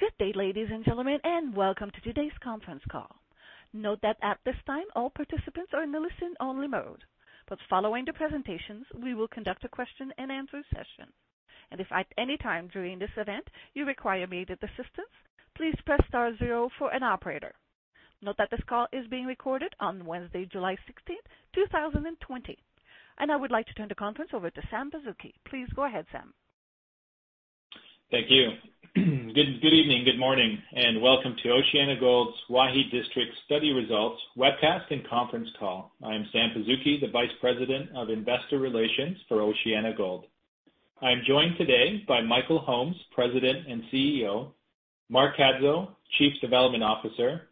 Good day, ladies and gentlemen, and welcome to today's conference call. Note that at this time, all participants are in listen only mode, but following the presentations, we will conduct a question and answer session. If at any time during this event you require manager assistance, please press star zero for an operator. Note that this call is being recorded on Wednesday, July 16th, 2020. I would like to turn the conference over to Sam Pazuki. Please go ahead, Sam. Thank you. Good evening, good morning, and welcome to OceanaGold's Waihi District Study results webcast and conference call. I'm Sam Pazuki, the Vice President of Investor Relations for OceanaGold. I'm joined today by Michael Holmes, President and CEO, Mark Cadzow, Chief Development Officer,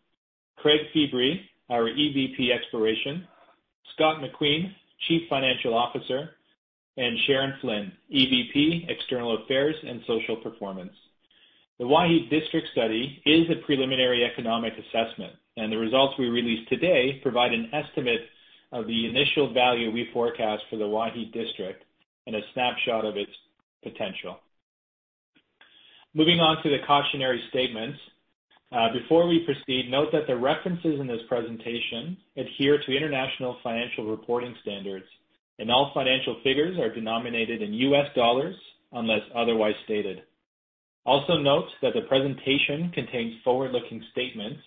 Craig Feebrey, our EVP Exploration, Scott McQueen, Chief Financial Officer, and Sharon Flynn, EVP External Affairs and Social Performance. The Waihi District Study is a preliminary economic assessment, and the results we release today provide an estimate of the initial value we forecast for the Waihi District and a snapshot of its potential. Moving on to the cautionary statements. Before we proceed, note that the references in this presentation adhere to international financial reporting standards and all financial figures are denominated in US dollars unless otherwise stated. Also note that the presentation contains forward-looking statements,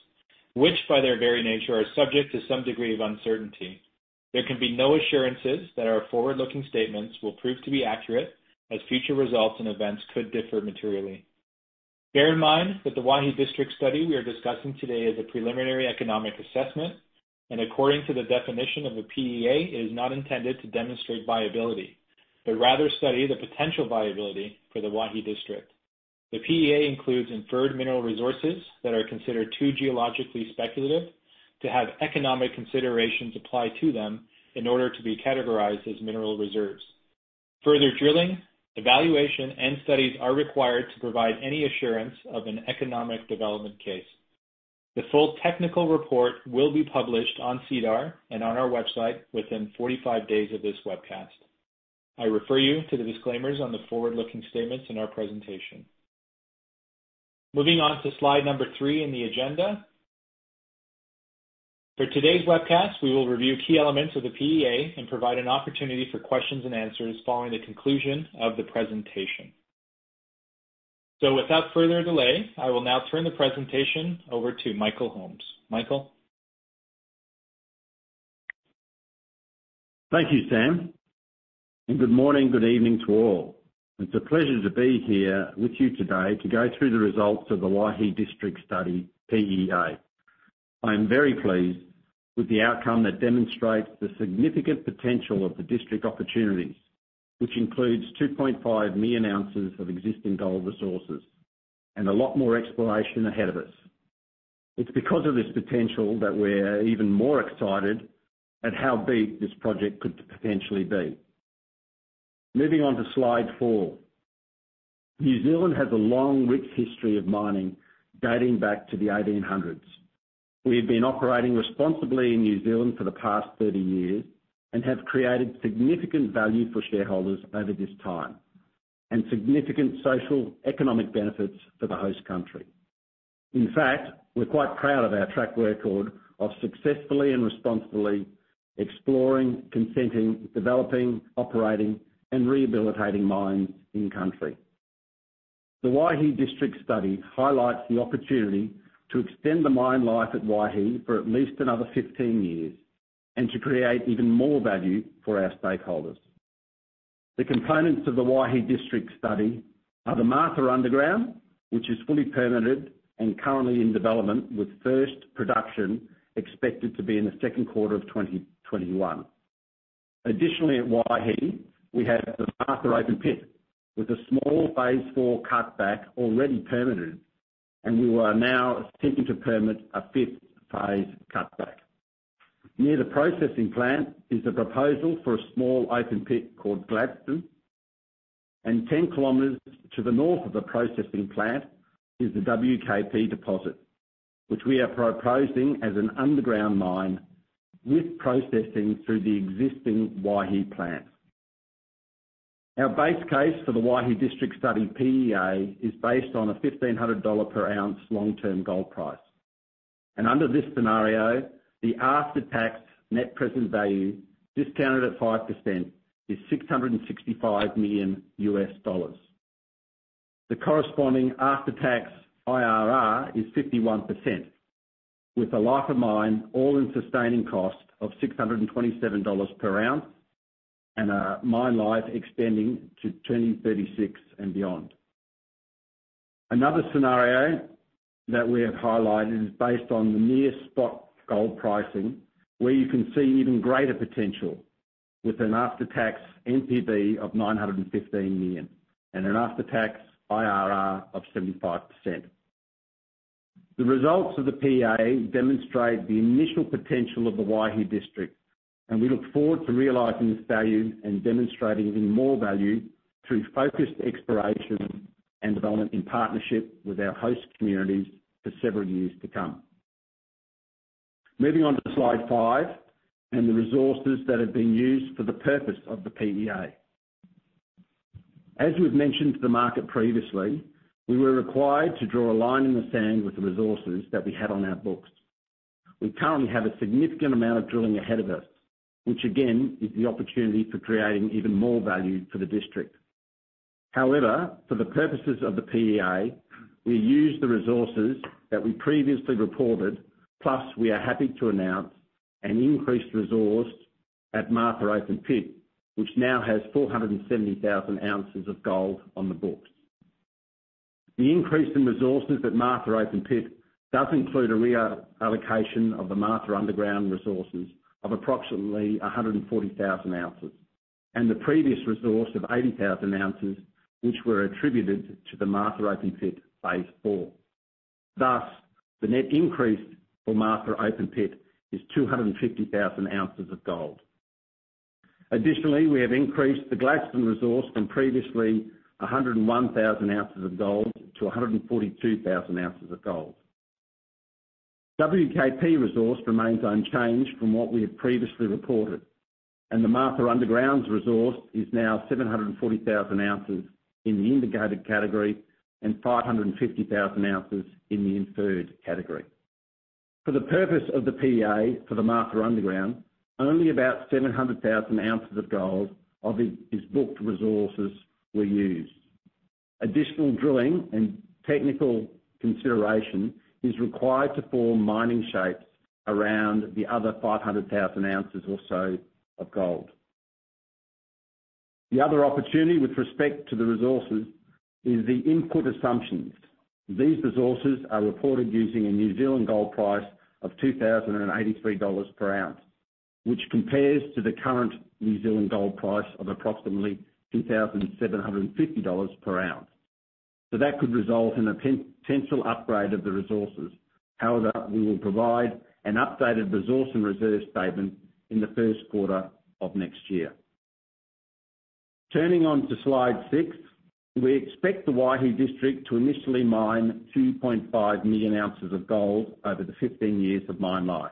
which, by their very nature, are subject to some degree of uncertainty. There can be no assurances that our forward-looking statements will prove to be accurate, as future results and events could differ materially. Bear in mind that the Waihi District Study we are discussing today is a preliminary economic assessment, and according to the definition of a PEA, it is not intended to demonstrate viability, but rather study the potential viability for the Waihi District. The PEA includes inferred mineral resources that are considered too geologically speculative to have economic considerations applied to them in order to be categorized as mineral reserves. Further drilling, evaluation, and studies are required to provide any assurance of an economic development case. The full technical report will be published on SEDAR and on our website within 45 days of this webcast. I refer you to the disclaimers on the forward-looking statements in our presentation. Moving on to slide number three in the agenda. For today's webcast, we will review key elements of the PEA and provide an opportunity for questions and answers following the conclusion of the presentation. Without further delay, I will now turn the presentation over to Michael Holmes. Michael? Thank you, Sam, and good morning, good evening to all. It's a pleasure to be here with you today to go through the results of the Waihi District Study PEA. I am very pleased with the outcome that demonstrates the significant potential of the district opportunities, which includes 2.5 million ounces of existing gold resources and a lot more exploration ahead of us. It's because of this potential that we're even more excited at how big this project could potentially be. Moving on to slide four. New Zealand has a long, rich history of mining dating back to the 1800s. We've been operating responsibly in New Zealand for the past 30 years and have created significant value for shareholders over this time, and significant social economic benefits for the host country. In fact, we're quite proud of our track record of successfully and responsibly exploring, consenting, developing, operating, and rehabilitating mines in country. The Waihi District Study highlights the opportunity to extend the mine life at Waihi for at least another 15 years and to create even more value for our stakeholders. The components of the Waihi District Study are the Martha Underground, which is fully permitted and currently in development with first production expected to be in the second quarter of 2021. Additionally, at Waihi, we have the Martha open pit with a small phase IV cutback already permitted, and we are now seeking to permit a fifth phase cutback. Near the processing plant is a proposal for a small open pit called Gladstone and 10 km to the north of the processing plant is the WKP deposit, which we are proposing as an underground mine with processing through the existing Waihi plant. Our base case for the Waihi District Study PEA is based on a $1,500 per ounce long-term gold price, and under this scenario, the after-tax NPV discounted at 5% is $665 million. The corresponding after-tax IRR is 51% with a life of mine all-in sustaining cost of $627 per ounce and a mine life extending to 2036 and beyond. Another scenario that we have highlighted is based on the near spot gold pricing, where you can see even greater potential with an after-tax NPV of $915 million and an after-tax IRR of 75%. The results of the PEA demonstrate the initial potential of the Waihi District, and we look forward to realizing this value and demonstrating even more value through focused exploration and development in partnership with our host communities for several years to come. Moving on to slide five and the resources that have been used for the purpose of the PEA. As we've mentioned to the market previously, we were required to draw a line in the sand with the resources that we had on our books. We currently have a significant amount of drilling ahead of us, which again, is the opportunity for creating even more value for the district. However, for the purposes of the PEA, we used the resources that we previously reported, plus we are happy to announce an increased resource at Martha Open Pit, which now has 470,000 ounces of gold on the books. The increase in resources at Martha Open Pit does include a reallocation of the Martha Underground resources of approximately 140,000 ounces, and the previous resource of 80,000 ounces, which were attributed to the Martha Open Pit phase IV. The net increase for Martha Open Pit is 250,000 ounces of gold. Additionaly, we have increased the Gladstone resource from previously 101,000 ounces of gold to 142,000 ounces of gold. WKP resource remains unchanged from what we have previously reported, and the Martha Underground's resource is now 740,000 ounces in the indicated category and 550,000 ounces in the inferred category. For the purpose of the PEA for the Martha Underground, only about 700,000 ounces of gold of its booked resources were used. Additional drilling and technical consideration is required to form mining shapes around the other 500,000 ounces or so of gold. The other opportunity with respect to the resources is the input assumptions. These resources are reported using a New Zealand gold price of 2,083 dollars per ounce, which compares to the current New Zealand gold price of approximately 2,750 dollars per ounce. That could result in a potential upgrade of the resources. We will provide an updated resource and reserve statement in the first quarter of next year. Turning on to slide six. We expect the Waihi District to initially mine 2.5 million ounces of gold over the 15 years of mine life.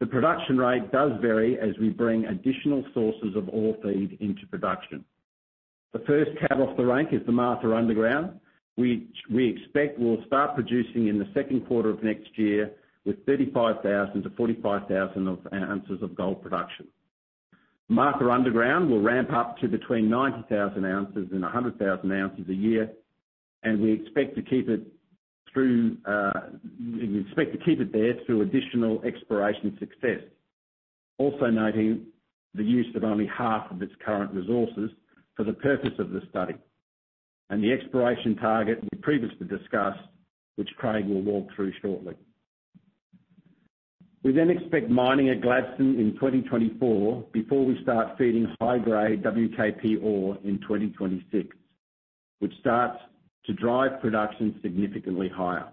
The production rate does vary as we bring additional sources of ore feed into production. The first cab off the rank is the Martha Underground, which we expect will start producing in the second quarter of next year with 35,000-45,000 ounces of gold production. Martha Underground will ramp up to between 90,000 ounces and 100,000 ounces a year, and we expect to keep it there through additional exploration success. Also noting the use of only half of its current resources for the purpose of the study and the exploration target we previously discussed, which Craig will walk through shortly. We expect mining at Gladstone in 2024 before we start feeding high-grade WKP ore in 2026, which starts to drive production significantly higher.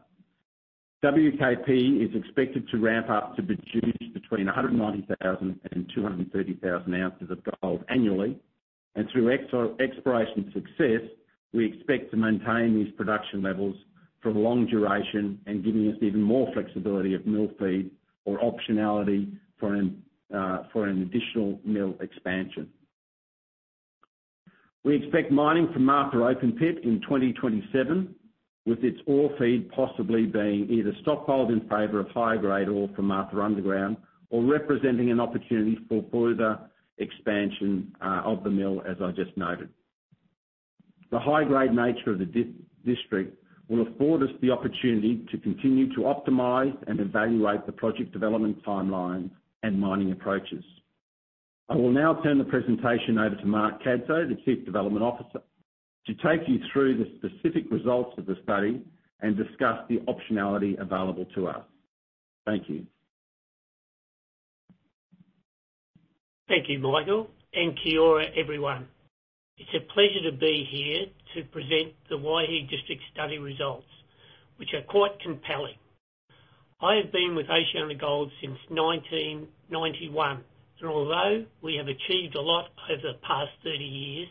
WKP is expected to ramp up to produce between 190,000 and 230,000 ounces of gold annually. Through exploration success, we expect to maintain these production levels for long duration and giving us even more flexibility at mill feed or optionality for an additional mill expansion. We expect mining for Martha open pit in 2027, with its ore feed possibly being either stockpiled in favor of high-grade ore for Martha Underground or representing an opportunity for further expansion of the mill, as I just noted. The high-grade nature of the district will afford us the opportunity to continue to optimize and evaluate the project development timeline and mining approaches. I will now turn the presentation over to Mark Cadzow, the Chief Development Officer, to take you through the specific results of the study and discuss the optionality available to us. Thank you. Thank you, Michael, and kia ora everyone. It's a pleasure to be here to present the Waihi District Study results, which are quite compelling. I have been with OceanaGold since 1991, and although we have achieved a lot over the past 30 years,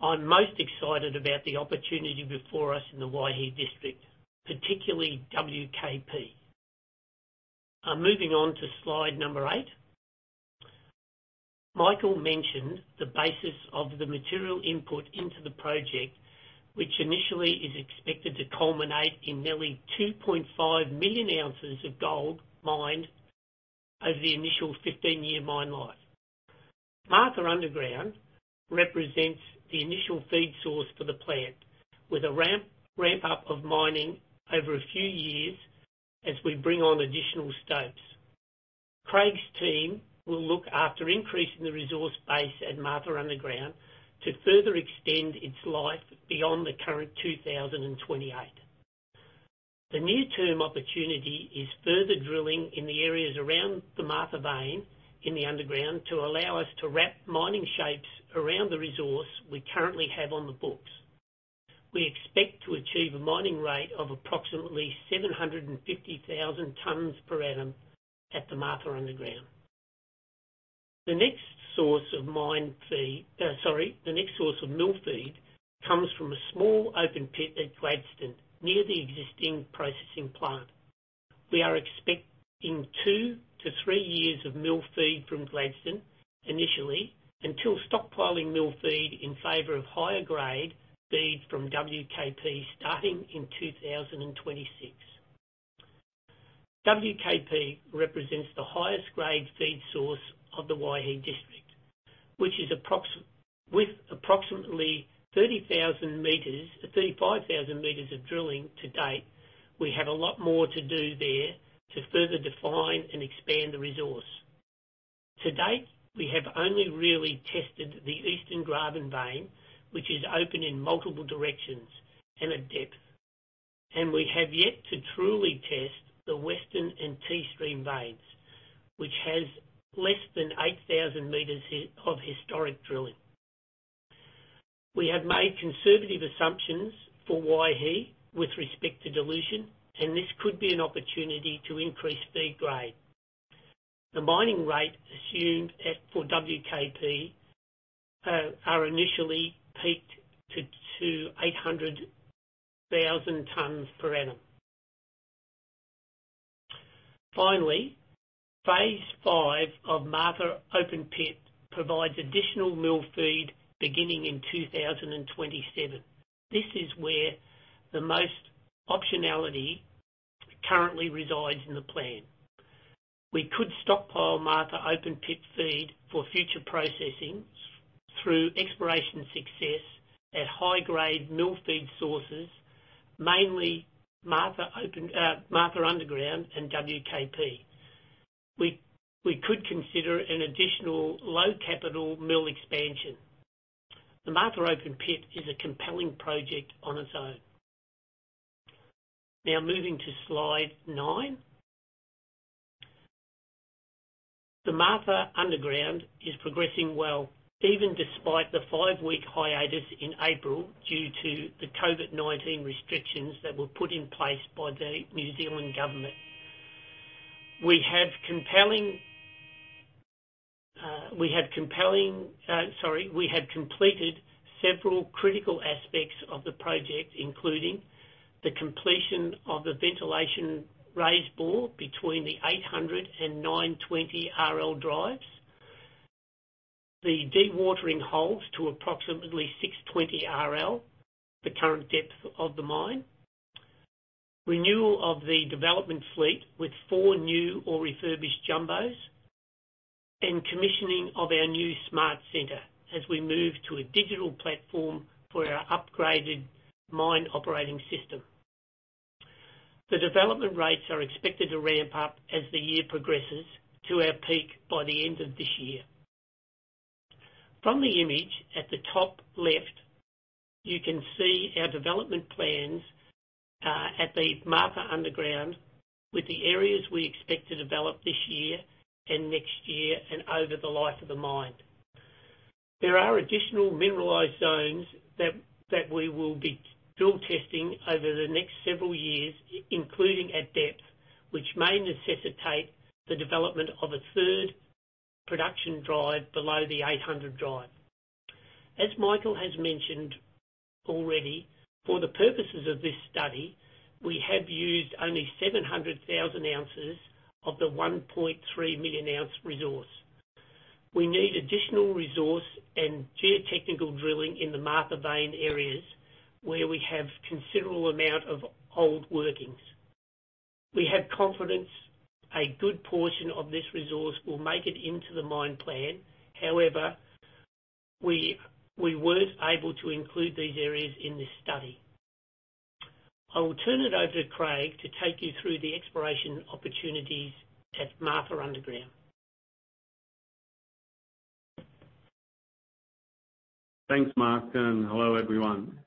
I'm most excited about the opportunity before us in the Waihi District, particularly WKP. Moving on to slide number eight. Michael mentioned the basis of the material input into the project, which initially is expected to culminate in nearly 2.5 million ounces of gold mined over the initial 15-year mine life. Martha Underground represents the initial feed source for the plant, with a ramp up of mining over a few years as we bring on additional stopes. Craig's team will look after increasing the resource base at Martha Underground to further extend its life beyond the current 2028. The near-term opportunity is further drilling in the areas around the Martha vein in the underground to allow us to wrap mining shapes around the resource we currently have on the books. We expect to achieve a mining rate of approximately 750,000 tons per annum at the Martha Underground. The next source of mill feed comes from a small open pit at Gladstone, near the existing processing plant. We are expecting 2-3 years of mill feed from Gladstone initially until stockpiling mill feed in favor of higher grade feed from Wharekirauponga starting in 2026. Wharekirauponga represents the highest grade feed source of the Waihi District with approximately 35,000 meters of drilling to date, we have a lot more to do there to further define and expand the resource. To date, we have only really tested the East Graben vein, which is open in multiple directions and at depth. We have yet to truly test the Western and T-Stream veins, which has less than 8,000 meters of historic drilling. We have made conservative assumptions for Waihi with respect to dilution, and this could be an opportunity to increase feed grade. The mining rates assumed for WKP are initially peaked to 800,000 tons per annum. Finally, phase V of Martha open pit provides additional mill feed beginning in 2027. This is where the most optionality currently resides in the plan. We could stockpile Martha open pit feed for future processing through exploration success at high-grade mill feed sources, mainly Martha Underground and WKP. We could consider an additional low capital mill expansion. The Martha open pit is a compelling project on its own. Now moving to slide nine. The Martha Underground is progressing well, even despite the five-week hiatus in April due to the COVID-19 restrictions that were put in place by the New Zealand government. We have completed several critical aspects of the project, including the completion of the ventilation raise bore between the 800 and 920 RL drives, the dewatering holes to approximately 620 RL, the current depth of the mine. Renewal of the development fleet with four new or refurbished jumbos and commissioning of our new smart center as we move to a digital platform for our upgraded mine operating system. The development rates are expected to ramp up as the year progresses to our peak by the end of this year. From the image at the top left, you can see our development plans at the Martha Underground with the areas we expect to develop this year and next year and over the life of the mine. There are additional mineralized zones that we will be drill testing over the next several years, including at depth, which may necessitate the development of a third production drive below the 800 drive. As Michael has mentioned already, for the purposes of this study, we have used only 700,000 ounces of the 1.3 million ounce resource. We need additional resource and geotechnical drilling in the Martha vein areas where we have considerable amount of old workings. We have confidence a good portion of this resource will make it into the mine plan. However, we weren't able to include these areas in this study. I will turn it over to Craig to take you through the exploration opportunities at Martha Underground. Thanks, Mark. Hello, everyone.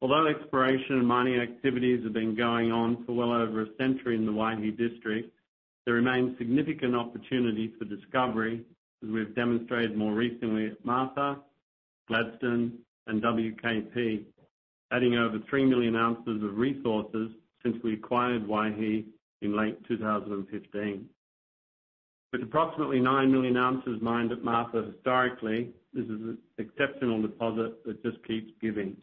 Although exploration mining activities have been going on for well over a century in the Waihi District, there remains significant opportunity for discovery, as we have demonstrated more recently at Martha, Gladstone, and WKP, adding over three million ounces of resources since we acquired Waihi in late 2015. With approximately nine million ounces mined at Martha historically, this is an exceptional deposit that just keeps giving.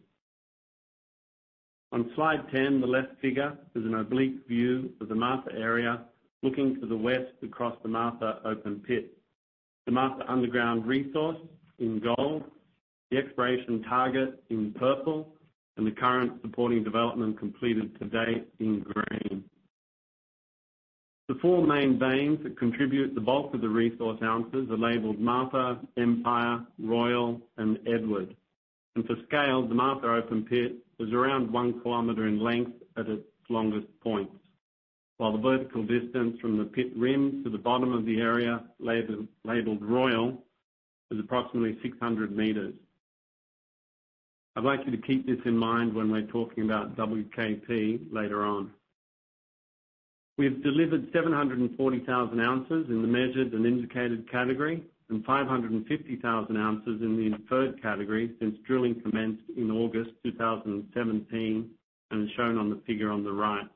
On slide 10, the left figure is an oblique view of the Martha area looking to the west across the Martha Open Pit. The Martha Underground resource in gold, the exploration target in purple, and the current supporting development completed to date in green. The four main veins that contribute the bulk of the resource ounces are labeled Martha, Empire, Royal, and Edward.For scale, the Martha open pit is around one kilometer in length at its longest point. While the vertical distance from the pit rim to the bottom of the area labeled Royal is approximately 600 meters. I'd like you to keep this in mind when we're talking about WKP later on. We've delivered 740,000 ounces in the measured and indicated category and 550,000 ounces in the inferred category since drilling commenced in August 2017 and shown on the figure on the right.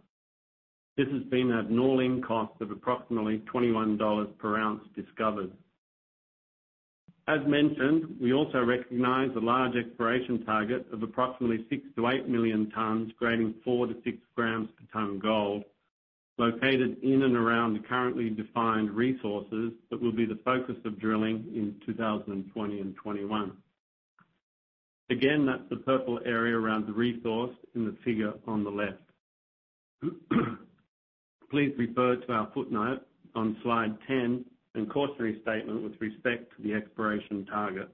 This has been at an all-in cost of approximately $21 per ounce discovered. As mentioned, we also recognize a large exploration target of approximately 6 million-8 million tonnes grading four to six grams per ton gold, located in and around currently defined resources that will be the focus of drilling in 2020 and 2021. Again, that's the purple area around the resource in the figure on the left. Please refer to our footnote on slide 10 and cautionary statement with respect to the exploration target.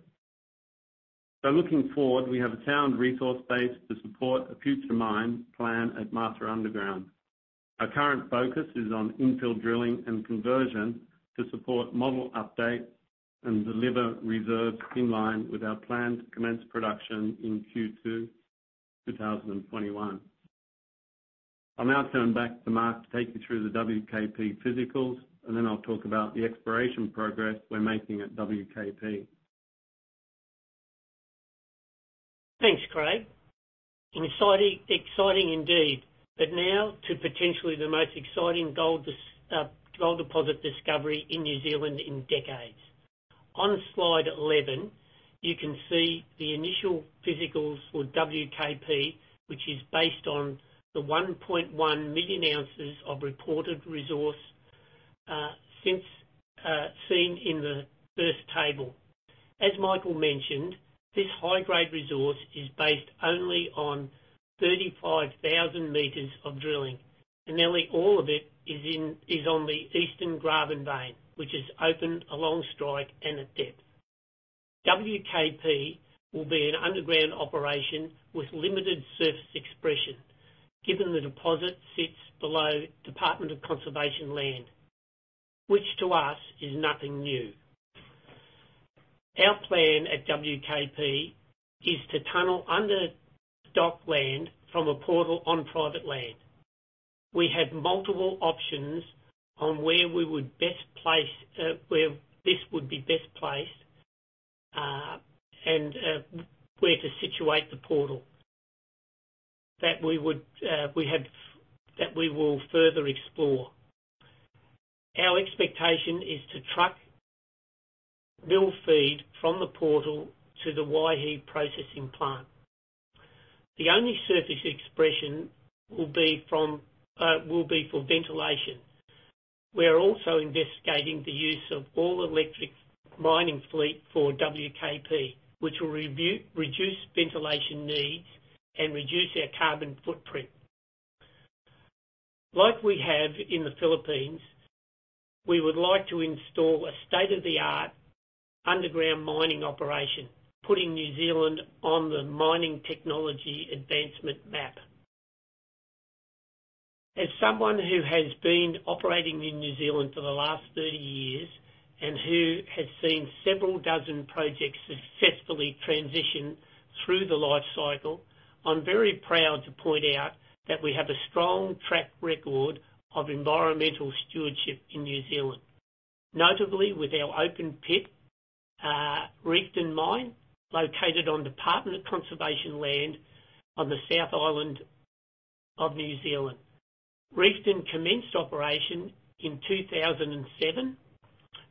Looking forward, we have a sound resource base to support a future mine plan at Martha Underground. Our current focus is on infill drilling and conversion to support model updates and deliver reserves in line with our plan to commence production in Q2 2021. I'll now turn back to Mark to take you through the WKP physicals, and then I'll talk about the exploration progress we're making at WKP. Thanks, Craig. Now to potentially the most exciting gold deposit discovery in New Zealand in decades. On slide 11, you can see the initial physicals for WKP, which is based on the 1.1 million ounces of reported resource seen in the first table. As Michael mentioned, this high-grade resource is based only on 35,000 meters of drilling. Nearly all of it is on the East Graben vein, which is open along strike and at depth. WKP will be an underground operation with limited surface expression, given the deposit sits below Department of Conservation land, which to us is nothing new. Our plan at WKP is to tunnel under DOC land from a portal on private land. We have multiple options on where this would be best placed and where to situate the portal that we will further explore. Our expectation is to truck mill feed from the portal to the Waihi Processing Plant. The only surface expression will be for ventilation. We are also investigating the use of all-electric mining fleet for WKP, which will reduce ventilation needs and reduce our carbon footprint. Like we have in the Philippines, we would like to install a state-of-the-art underground mining operation, putting New Zealand on the mining technology advancement map. As someone who has been operating in New Zealand for the last 30 years and who has seen several dozen projects successfully transition through the life cycle, I'm very proud to point out that we have a strong track record of environmental stewardship in New Zealand, notably with our open-pit Reefton mine, located on Department of Conservation land on the South Island of New Zealand. Reefton commenced operation in 2007,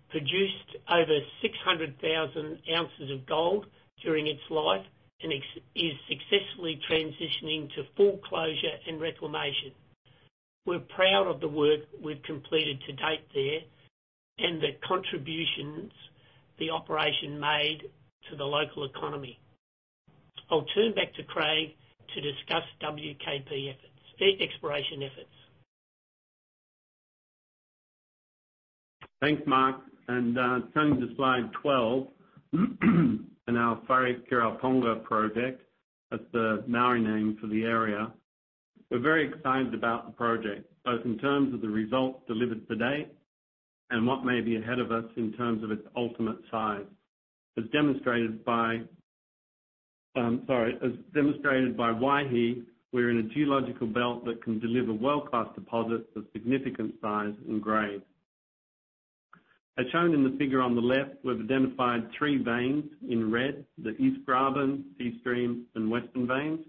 produced over 600,000 ounces of gold during its life, and is successfully transitioning to full closure and reclamation. We're proud of the work we've completed to date there and the contributions the operation made to the local economy. I'll turn back to Craig to discuss WKP exploration efforts. Thanks, Mark. Turning to slide 12, and our Wharekirauponga project. That's the Māori name for the area. We're very excited about the project, both in terms of the results delivered to date and what may be ahead of us in terms of its ultimate size. As demonstrated by Waihi, we're in a geological belt that can deliver world-class deposits of significant size and grade. As shown in the figure on the left, we've identified three veins in red, the East Graben, Deep Stream, and Western veins,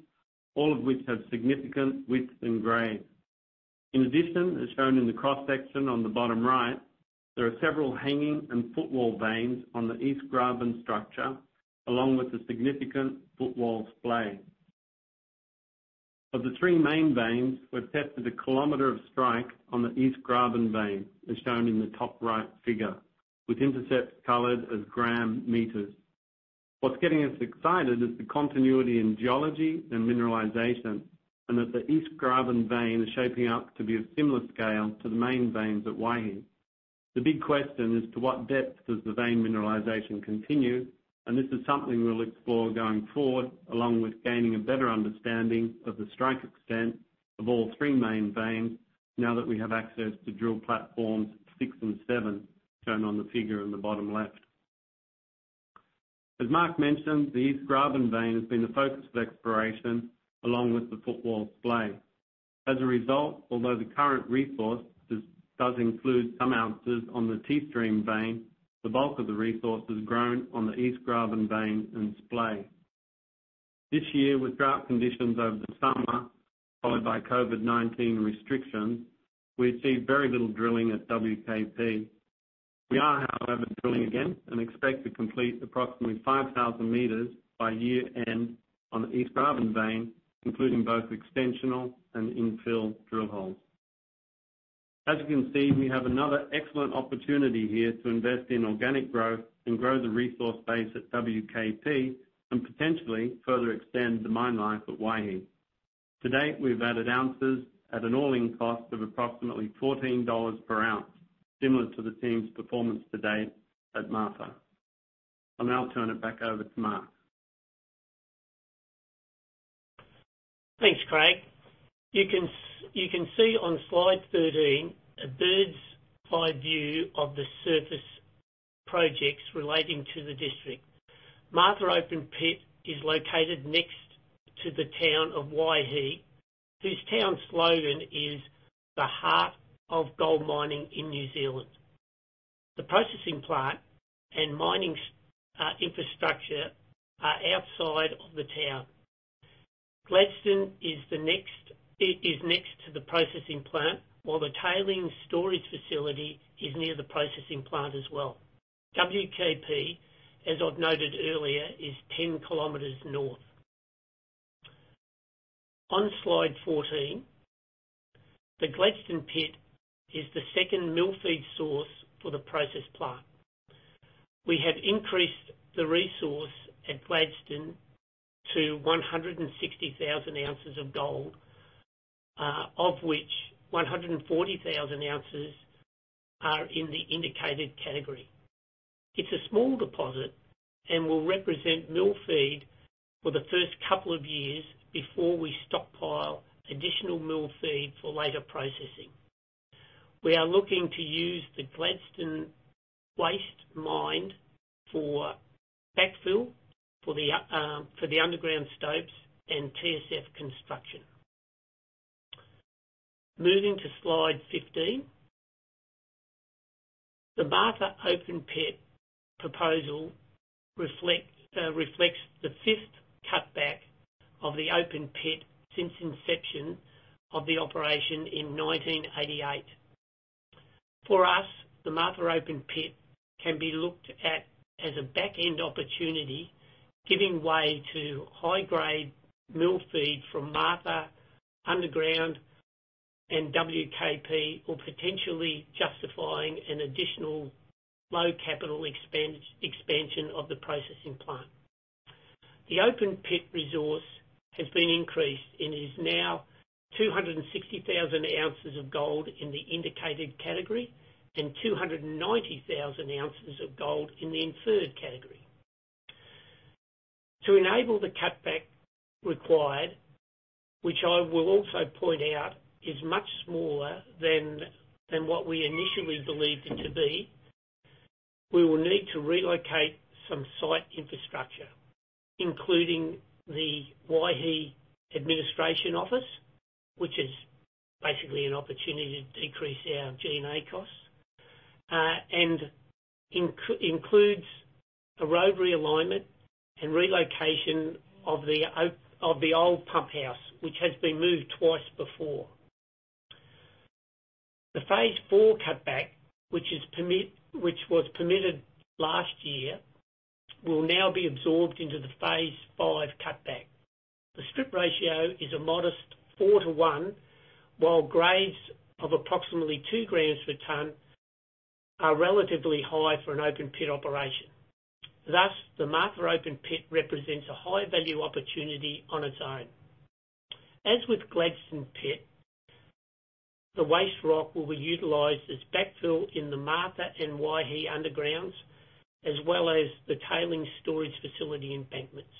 all of which have significant widths and grades. In addition, as shown in the cross-section on the bottom right, there are several hanging and footwall veins on the East Graben structure, along with a significant footwall splay. Of the three main veins, we've tested a kilometer of strike on the East Graben vein, as shown in the top right figure, with intercepts colored as gram meters. What's getting us excited is the continuity in geology and mineralization, and that the East Graben vein is shaping up to be of similar scale to the main veins at Waihi. The big question is to what depth does the vein mineralization continue? This is something we'll explore going forward, along with gaining a better understanding of the strike extent of all three main veins now that we have access to drill platforms six and seven, shown on the figure in the bottom left. As Mark mentioned, the East Graben vein has been a focus of exploration along with the footwall splay. Although the current resource does include some ounces on the Deep Stream vein, the bulk of the resource is grown on the East Graben vein and splay. This year, with drought conditions over the summer followed by COVID-19 restrictions, we achieved very little drilling at WKP. We are, however, drilling again and expect to complete approximately 5,000 meters by year end on the East Graben vein, including both extensional and infill drill holes. As you can see, we have another excellent opportunity here to invest in organic growth and grow the resource base at WKP and potentially further extend the mine life at Waihi. To date, we've added ounces at an all-in cost of approximately $14 per ounce, similar to the team's performance to date at Martha. I'll now turn it back over to Mark. Thanks, Craig. You can see on slide 13 a bird's eye view of the surface projects relating to the district. Martha open pit is located next to the town of Waihi, whose town slogan is, "The heart of gold mining in New Zealand." The processing plant and mining infrastructure are outside of the town. Gladstone is next to the processing plant, while the tailing storage facility is near the processing plant as well. WKP, as I've noted earlier, is 10 kilometers north. On slide 14, the Gladstone pit is the second mill feed source for the process plant. We have increased the resource at Gladstone to 160,000 ounces of gold, of which 140,000 ounces are in the indicated category. It's a small deposit and will represent mill feed for the first couple of years before we stockpile additional mill feed for later processing. We are looking to use the Gladstone waste mine for backfill for the underground stopes and TSF construction. Moving to slide 15. The Martha open pit proposal reflects the fifth cutback of the open pit since inception of the operation in 1988. For us, the Martha open pit can be looked at as a back-end opportunity, giving way to high-grade mill feed from Martha Underground and WKP, or potentially justifying an additional low capital expense expansion of the processing plant. The open pit resource has been increased and is now 260,000 ounces of gold in the indicated category and 290,000 ounces of gold in the inferred category. To enable the cutback required, which I will also point out is much smaller than what we initially believed it to be, we will need to relocate some site infrastructure, including the Waihi administration office, which is basically an opportunity to decrease our G&A costs, and includes a road realignment and relocation of the old pump house, which has been moved twice before. The phase IV cutback, which was permitted last year, will now be absorbed into the phase V cutback. The strip ratio is a modest 4-1, while grades of approximately 2 grams per ton are relatively high for an open pit operation. Thus, the Martha open pit represents a high-value opportunity on its own. As with Gladstone pit, the waste rock will be utilized as backfill in the Martha and Waihi undergrounds, as well as the Tailing Storage Facility embankments.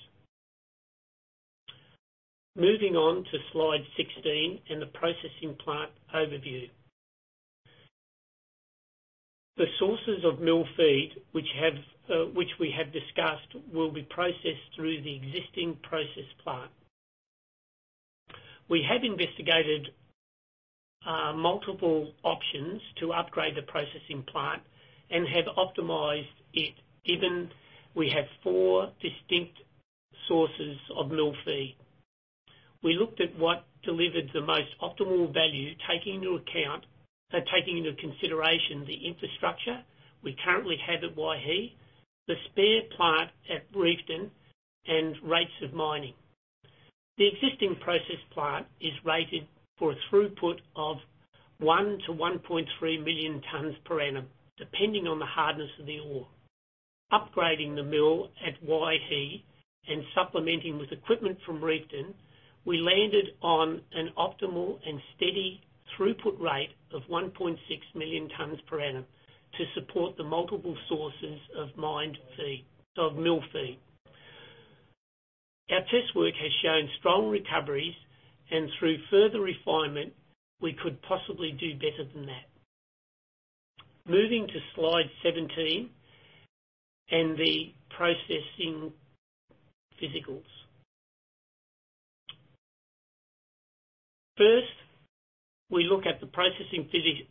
Moving on to slide 16 and the processing plant overview. The sources of mill feed, which we have discussed, will be processed through the existing process plant. We have investigated multiple options to upgrade the processing plant and have optimized it given we have four distinct sources of mill feed. We looked at what delivered the most optimal value, taking into consideration the infrastructure we currently have at Waihi, the spare plant at Reefton, and rates of mining. The existing process plant is rated for a throughput of 1 million-1.3 million tons per annum, depending on the hardness of the ore. Upgrading the mill at Waihi and supplementing with equipment from Reefton, we landed on an optimal and steady throughput rate of 1.6 million tons per annum to support the multiple sources of mill feed. Our test work has shown strong recoveries, and through further refinement, we could possibly do better than that. Moving to slide 17 and the processing physicals. First, we look at the processing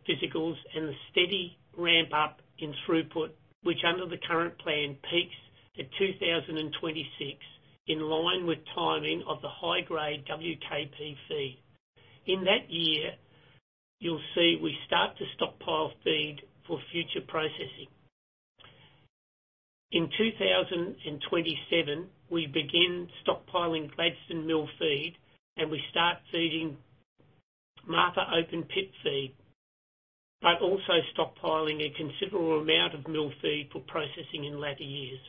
physicals and the steady ramp up in throughput, which under the current plan peaks at 2026, in line with timing of the high-grade WKP feed. In that year, you'll see we start to stockpile feed for future processing. In 2027, we begin stockpiling Gladstone mill feed, and we start feeding Martha open pit feed, but also stockpiling a considerable amount of mill feed for processing in latter years.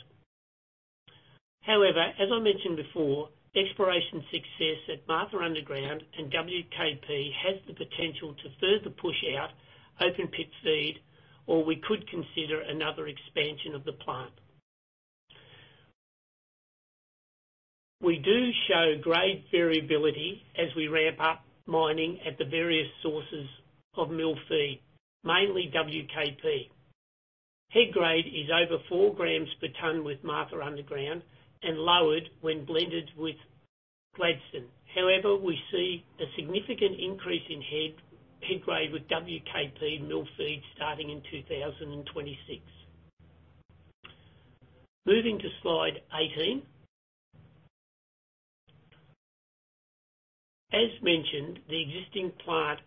However, as I mentioned before, exploration success at Martha Underground and WKP has the potential to further push out open pit feed, or we could consider another expansion of the plant. We do show grade variability as we ramp up mining at the various sources of mill feed, mainly WKP. Head grade is over 4 grams per tonne with Martha Underground and lowered when blended with Gladstone. However, we see a significant increase in head grade with WKP mill feed starting in 2026. Moving to slide 18. As mentioned, the existing plant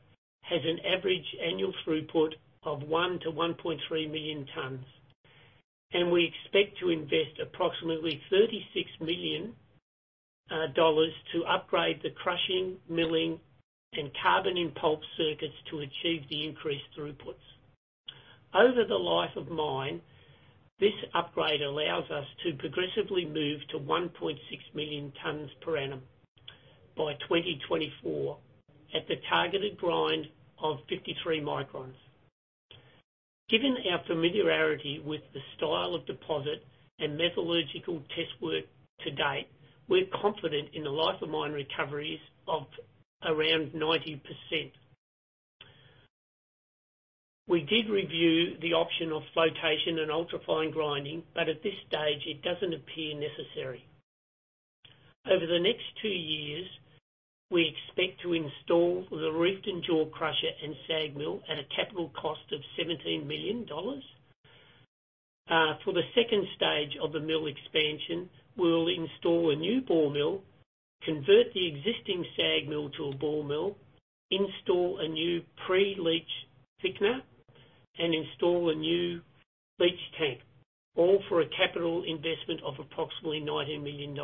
has an average annual throughput of 1 million-1.3 million tonnes, and we expect to invest approximately $36 million to upgrade the crushing, milling, and carbon in pulp circuits to achieve the increased throughputs. Over the life of mine, this upgrade allows us to progressively move to 1.6 million tonnes per annum by 2024 at the targeted grind of 53 microns. Given our familiarity with the style of deposit and metallurgical test work to date, we're confident in the life of mine recoveries of around 90%. We did review the option of flotation and ultra-fine grinding, but at this stage it doesn't appear necessary. Over the next two years, we expect to install the roof and jaw crusher and SAG mill at a capital cost of $17 million. For the second stage of the mill expansion, we will install a new ball mill, convert the existing SAG mill to a ball mill, install a new pre-leach thickener, and install a new leach tank, all for a capital investment of approximately $90 million.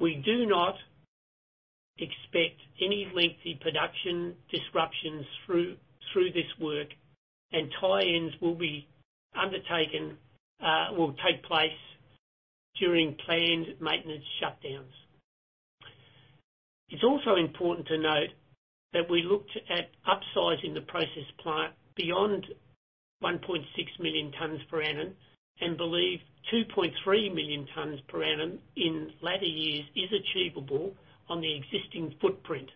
We do not expect any lengthy production disruptions through this work, and tie-ins will take place during planned maintenance shutdowns. It is also important to note that we looked at upsizing the process plant beyond 1.6 million tonnes per annum and believe 2.3 million tonnes per annum in latter years is achievable on the existing footprint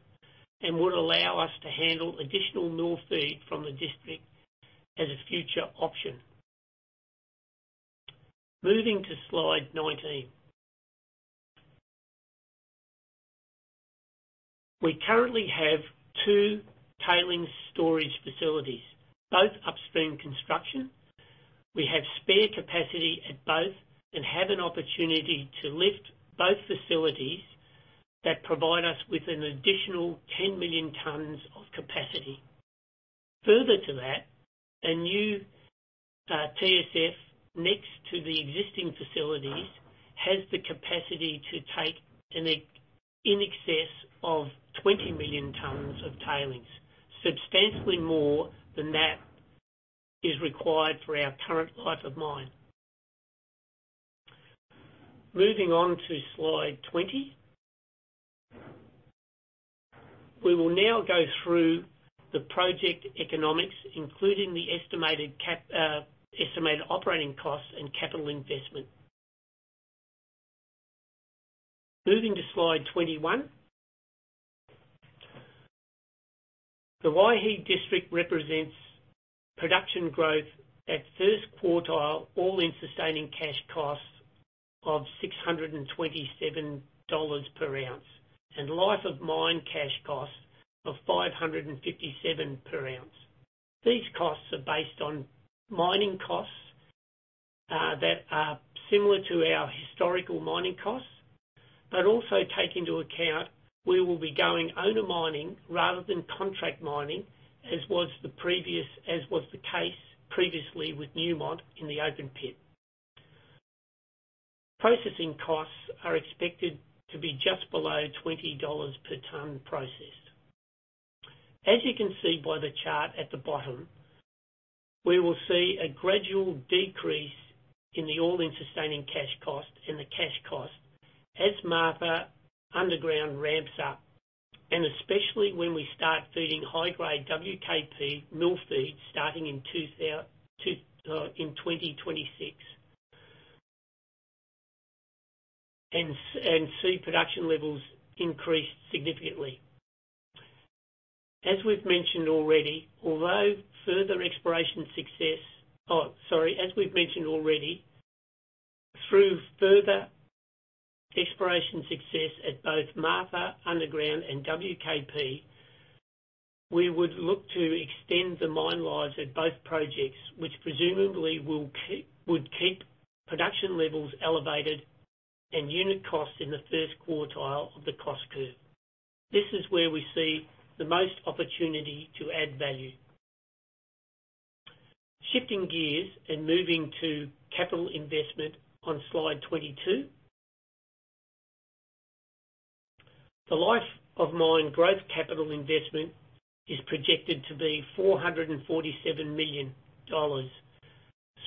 and would allow us to handle additional mill feed from the district as a future option. Moving to slide 19. We currently have two tailings storage facilities, both upstream construction. We have spare capacity at both and have an opportunity to lift both facilities that provide us with an additional 10 million tons of capacity. Further to that, a new TSF next to the existing facilities has the capacity to take in excess of 20 million tons of tailings, substantially more than that is required for our current life of mine. Moving on to slide 20. We will now go through the project economics, including the estimated operating costs and capital investment. Moving to slide 21. The Waihi District represents production growth at first quartile, all-in sustaining cash costs of $627 per ounce and life of mine cash costs of $557 per ounce. These costs are based on mining costs that are similar to our historical mining costs but also take into account we will be going owner mining rather than contract mining as was the case previously with Newmont in the open pit. Processing costs are expected to be just below $20 per tonne processed. As you can see by the chart at the bottom, we will see a gradual decrease in the all-in sustaining cost and the cash cost as Martha Underground ramps up, and especially when we start feeding high-grade WKP mill feed starting in 2026 and see production levels increase significantly. As we've mentioned already. Oh, sorry. As we've mentioned already. Through further exploration success at both Martha Underground and WKP, we would look to extend the mine lives at both projects, which presumably would keep production levels elevated and unit cost in the first quartile of the cost curve. This is where we see the most opportunity to add value. Shifting gears and moving to capital investment on slide 22. The life of mine growth capital investment is projected to be $447 million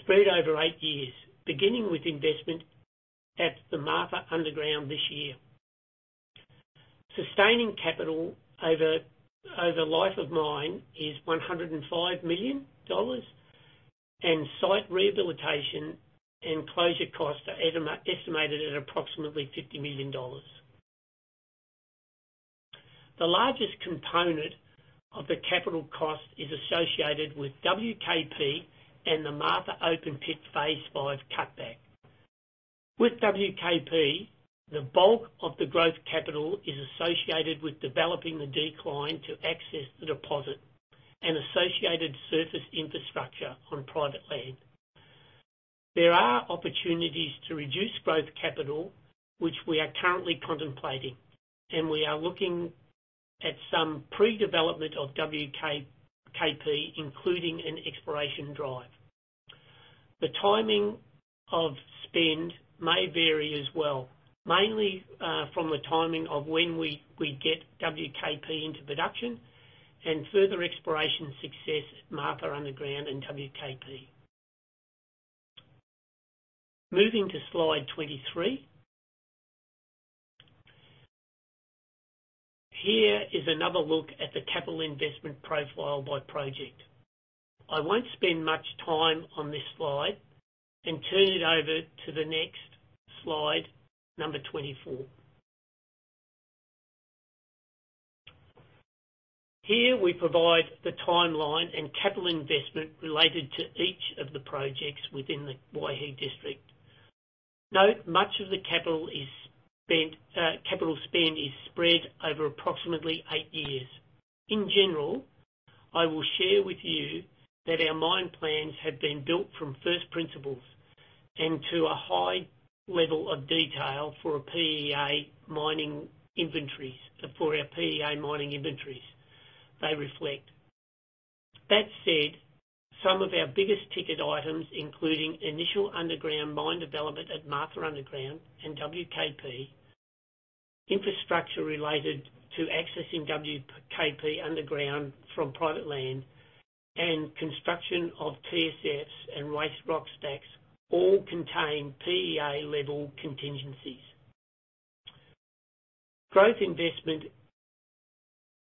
spread over eight years, beginning with investment at the Martha Underground this year. Sustaining capital over life of mine is $105 million and site rehabilitation and closure costs are estimated at approximately $50 million. The largest component of the capital cost is associated with WKP and the Martha open pit phase V cutback. With WKP, the bulk of the growth capital is associated with developing the decline to access the deposit and associated surface infrastructure on private land. There are opportunities to reduce growth capital, which we are currently contemplating, we are looking at some pre-development of WKP, including an exploration drive. The timing of spend may vary as well, mainly from the timing of when we get WKP into production and further exploration success at Martha Underground and WKP. Moving to slide 23. Here is another look at the capital investment profile by project. I won't spend much time on this slide and turn it over to the next slide, number 24. Here we provide the timeline and capital investment related to each of the projects within the Waihi District. Note, much of the capital spend is spread over approximately eight years. In general, I will share with you that our mine plans have been built from first principles and to a high level of detail for our PEA mining inventories they reflect. That said, some of our biggest ticket items, including initial underground mine development at Martha Underground and WKP, infrastructure related to accessing WKP underground from private land, and construction of TSFs and waste rock stacks, all contain PEA-level contingencies. Growth investment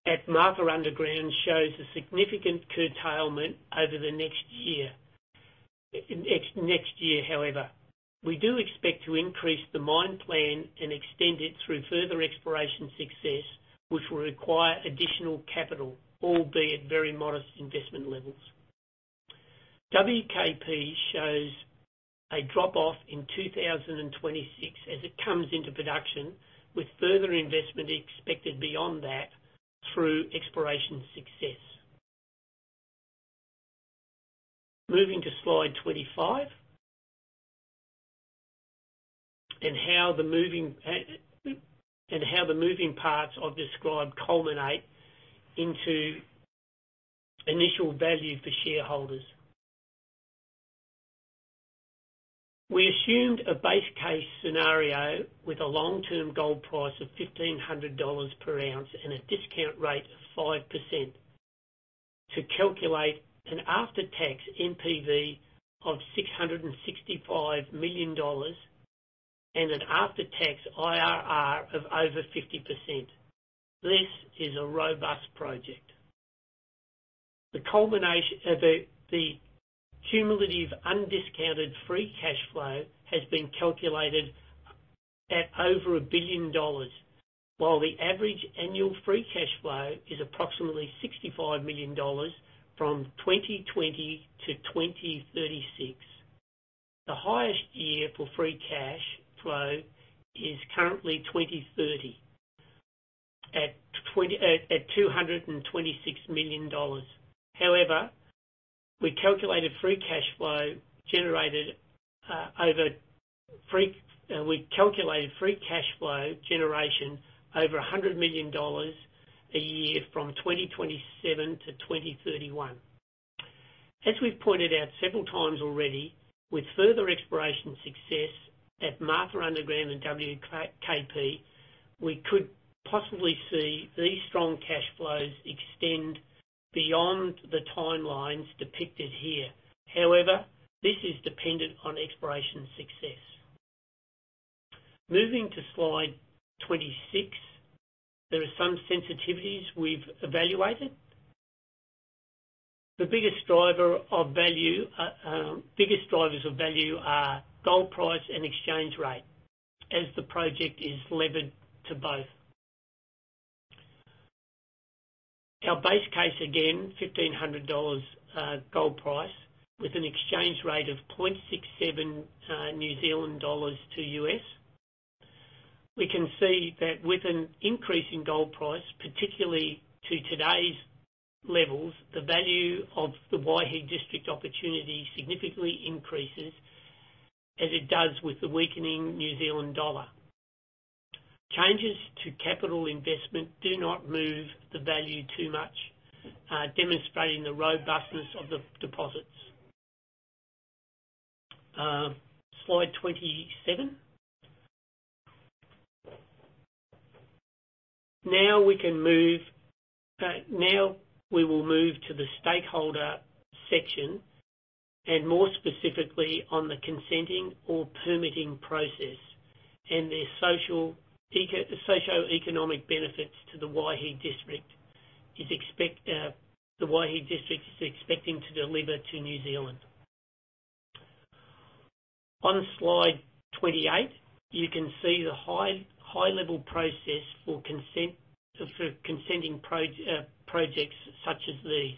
at Martha Underground shows a significant curtailment over the next year. We do expect to increase the mine plan and extend it through further exploration success, which will require additional capital, albeit very modest investment levels. WKP shows a drop-off in 2026 as it comes into production, with further investment expected beyond that through exploration success. Moving to slide 25. How the moving parts I've described culminate into initial value for shareholders. We assumed a base case scenario with a long-term gold price of $1,500 per ounce and a discount rate of 5% to calculate an after-tax NPV of $665 million and an after-tax IRR of over 50%, this is a robust project. The cumulative undiscounted free cash flow has been calculated at over $1 billion, while the average annual free cash flow is approximately $65 million from 2020-2036. The highest year for free cash flow is currently 2030 at $226 million. However, we calculated free cash flow generation over $100 million a year from 2027-2031. As we pointed out several times already, with further exploration success at Martha Underground and WKP, we could possibly see these strong cash flows extend beyond the timelines depicted here. This is dependent on exploration success. Moving to slide 26. There are some sensitivities we've evaluated. The biggest drivers of value are gold price and exchange rate, as the project is levered to both. Our base case again, $1,500 gold price with an exchange rate of 0.67 New Zealand dollars to U.S. We can see that with an increase in gold price, particularly to today's levels, the value of the Waihi District opportunity significantly increases as it does with the weakening New Zealand dollar. Changes to capital investment do not move the value too much, demonstrating the robustness of the deposits. Slide 27. Now we will move to the stakeholder section, and more specifically on the consenting or permitting process, and the socio-economic benefits the Waihi District is expecting to deliver to New Zealand. On slide 28, you can see the high-level process for consenting projects such as these.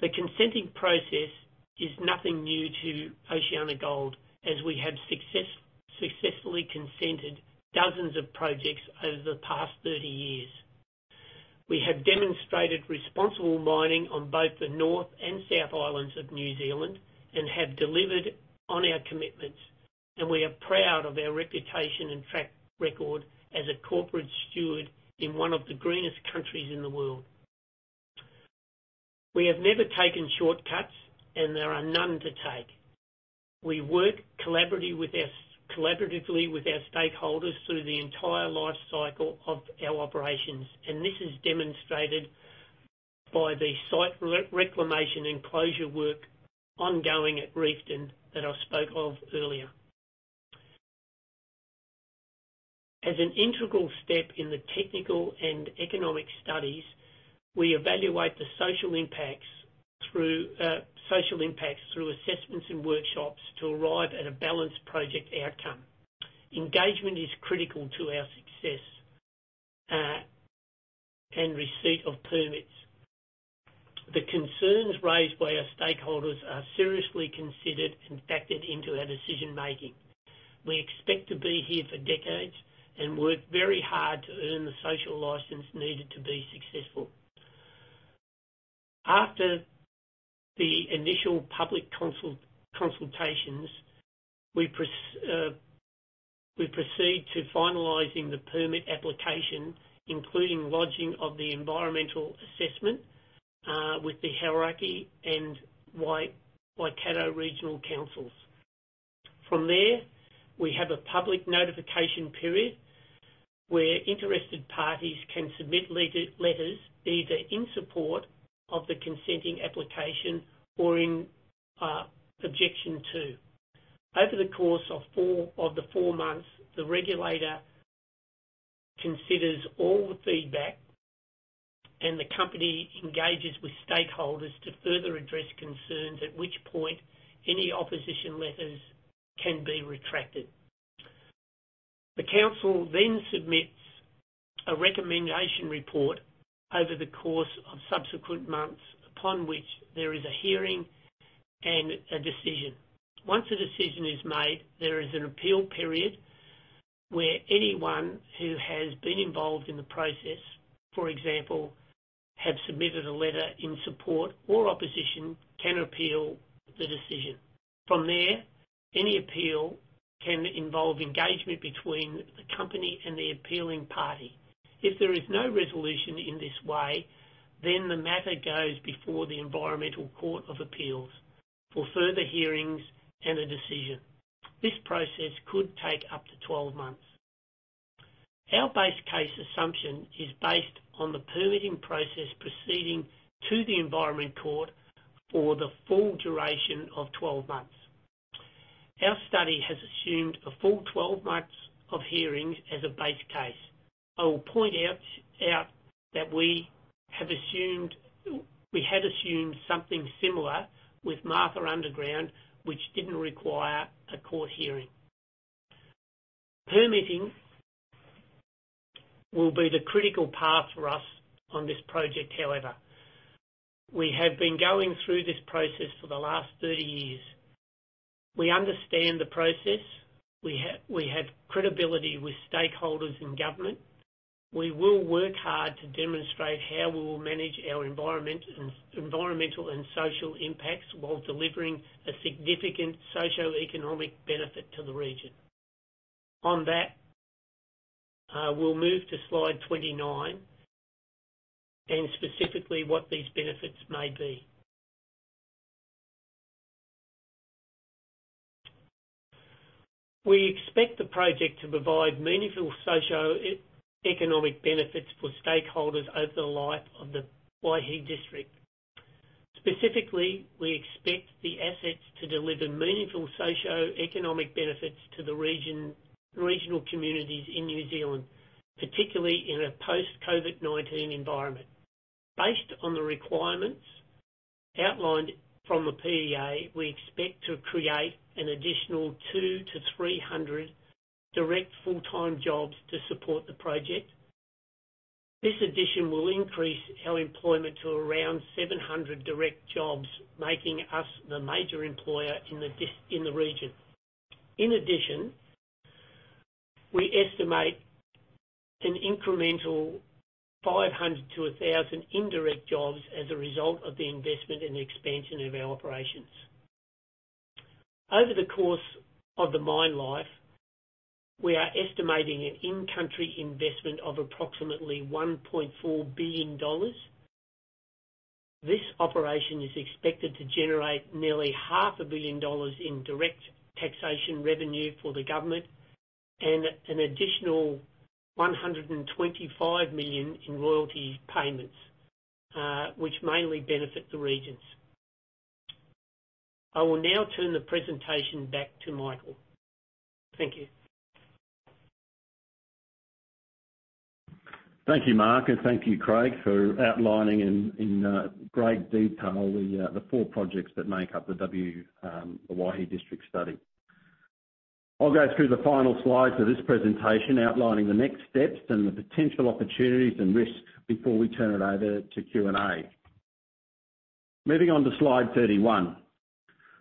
The consenting process is nothing new to OceanaGold as we have successfully consented dozens of projects over the past 30 years. We have demonstrated responsible mining on both the North and South Islands of New Zealand and have delivered on our commitments. We are proud of our reputation and track record as a corporate steward in one of the greenest countries in the world. We have never taken shortcuts, and there are none to take. We work collaboratively with our stakeholders through the entire life cycle of our operations, and this is demonstrated by the site reclamation and closure work ongoing at Reefton that I spoke of earlier. As an integral step in the technical and economic studies, we evaluate the social impacts through assessments and workshops to arrive at a balanced project outcome. Engagement is critical to our success and receipt of permits. The concerns raised by our stakeholders are seriously considered and factored into our decision-making. We expect to be here for decades and work very hard to earn the social license needed to be successful. After the initial public consultations, we proceed to finalizing the permit application, including lodging of the environmental assessment, with the Hauraki and Waikato Regional Council. From there, we have a public notification period where interested parties can submit letters either in support of the consenting application or in objection to. Over the course of the four months, the regulator considers all the feedback, and the company engages with stakeholders to further address concerns at which point any opposition letters can be retracted. The council submits a recommendation report over the course of subsequent months, upon which there is a hearing and a decision. Once a decision is made, there is an appeal period where anyone who has been involved in the process, for example, have submitted a letter in support or opposition, can appeal the decision. From there, any appeal can involve engagement between the company and the appealing party. If there is no resolution in this way, the matter goes before the Environment Court for further hearings and a decision. This process could take up to 12 months. Our base case assumption is based on the permitting process proceeding to the Environment Court for the full duration of 12 months. Our study has assumed a full 12 months of hearing as a base case. I will point out that we had assumed something similar with Martha Underground, which didn't require a court hearing. Permitting will be the critical path for us on this project, however. We have been going through this process for the last 30 years. We understand the process. We have credibility with stakeholders and government. We will work hard to demonstrate how we will manage our environmental and social impacts while delivering a significant socio-economic benefit to the region. We'll move to slide 29, and specifically what these benefits may be. We expect the project to provide meaningful socio-economic benefits for stakeholders over the life of the Waihi District. Specifically, we expect the assets to deliver meaningful socio-economic benefits to the regional communities in New Zealand, particularly in a post-COVID-19 environment. Based on the requirements outlined from the PEA, we expect to create an additional 200-300 direct full-time jobs to support the project. This addition will increase our employment to around 700 direct jobs, making us the major employer in the region. In addition, we estimate an incremental 500 to 1,000 indirect jobs as a result of the investment and expansion of our operations. Over the course of the mine life, we are estimating an in-country investment of approximately $1.4 billion. This operation is expected to generate nearly half a billion dollars in direct taxation revenue for the government and an additional $125 million in royalty payments, which mainly benefit the regions. I will now turn the presentation back to Michael. Thank you. Thank you, Mark, and thank you, Craig, for outlining in great detail the four projects that make up the Waihi District Study. I'll go through the final slides of this presentation outlining the next steps and the potential opportunities and risks before we turn it over to Q&A. Moving on to slide 31.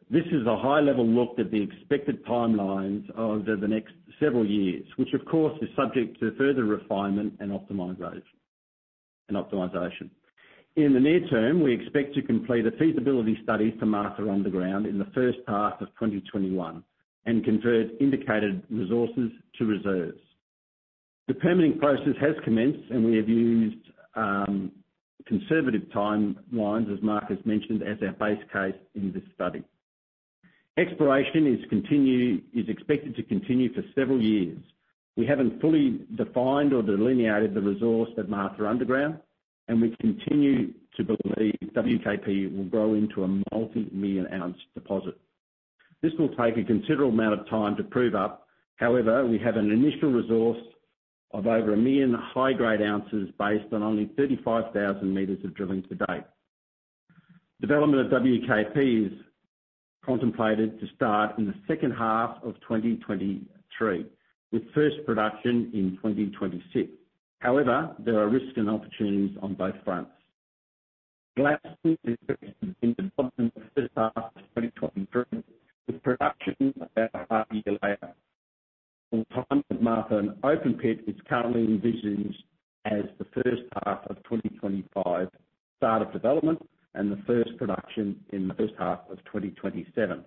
This is a high-level look at the expected timelines over the next several years, which of course, is subject to further refinement and optimization. In the near term, we expect to complete a feasibility study for Martha Underground in the first half of 2021 and convert indicated resources to reserves. The permitting process has commenced, and we have used conservative timelines, as Mark has mentioned, as our base case in this study. Exploration is expected to continue for several years. We haven't fully defined or delineated the resource at Martha Underground, and we continue to believe WKP will grow into a multi-million ounce deposit. This will take a considerable amount of time to prove up. However, we have an initial resource of over 1 million high-grade ounces based on only 35,000 meters of drilling to date. Development of WKP is contemplated to start in the second half of 2023, with first production in 2026. However, there are risks and opportunities on both fronts. Gladstone is expected to be in development in the first half of 2023, with production about a half year later, while Martha open pit is currently envisioned as the first half of 2025 start of development and the first production in the first half of 2027.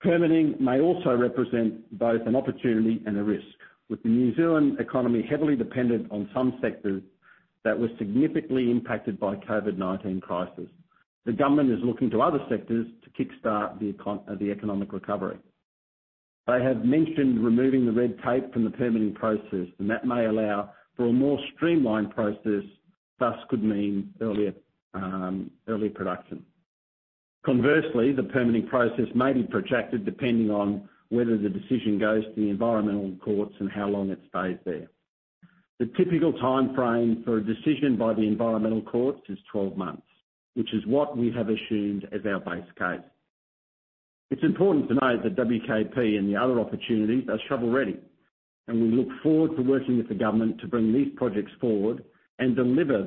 Permitting may also represent both an opportunity and a risk, with the New Zealand economy heavily dependent on some sectors that were significantly impacted by the COVID-19 crisis. The government is looking to other sectors to kickstart the economic recovery. They have mentioned removing the red tape from the permitting process, and that may allow for a more streamlined process, thus could mean early production. Conversely, the permitting process may be protracted depending on whether the decision goes to the Environment Court and how long it stays there. The typical timeframe for a decision by the Environment Court is 12 months, which is what we have assumed as our base case. It's important to note that WKP and the other opportunities are shovel-ready, and we look forward to working with the government to bring these projects forward and deliver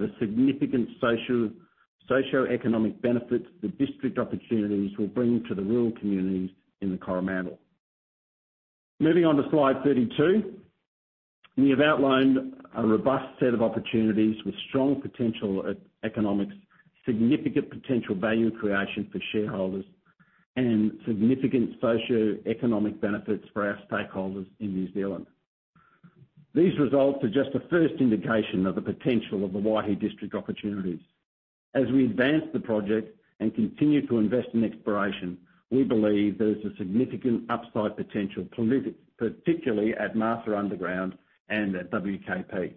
the significant socioeconomic benefits the district opportunities will bring to the rural communities in the Coromandel. Moving on to slide 32. We have outlined a robust set of opportunities with strong potential economics, significant potential value creation for shareholders, and significant socioeconomic benefits for our stakeholders in New Zealand. These results are just the first indication of the potential of the Waihi District opportunities. As we advance the project and continue to invest in exploration, we believe there is a significant upside potential, particularly at Martha Underground and at WKP.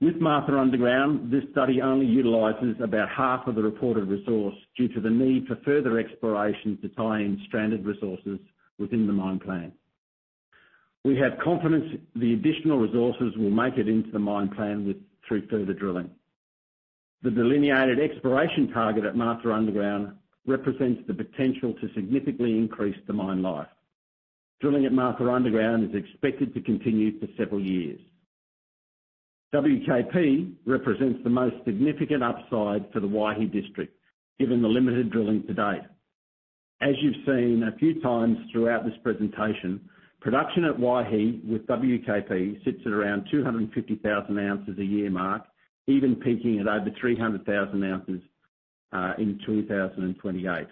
With Martha Underground, this study only utilizes about half of the reported resource due to the need for further exploration to tie in stranded resources within the mine plan. We have confidence the additional resources will make it into the mine plan through further drilling. The delineated exploration target at Martha Underground represents the potential to significantly increase the mine life. Drilling at Martha Underground is expected to continue for several years. WKP represents the most significant upside for the Waihi District, given the limited drilling to date. As you've seen a few times throughout this presentation, production at Waihi with WKP sits at around 250,000 ounces a year mark, even peaking at over 300,000 ounces in 2028.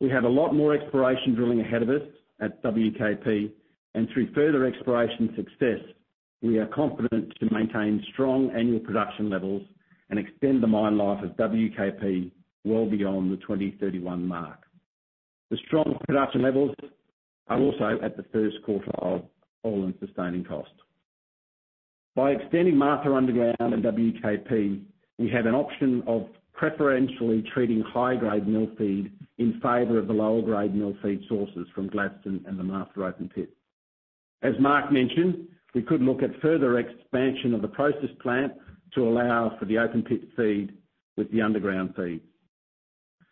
We have a lot more exploration drilling ahead of us at WKP, and through further exploration success, we are confident to maintain strong annual production levels and extend the mine life of WKP well beyond the 2031 mark. The strong production levels are also at the first quarter of all-in sustaining cost. By extending Martha Underground and WKP, we have an option of preferentially treating high-grade mill feed in favor of the lower-grade mill feed sources from Gladstone and the Martha open pit. As Mark mentioned, we could look at further expansion of the process plant to allow for the open pit feed with the underground feed.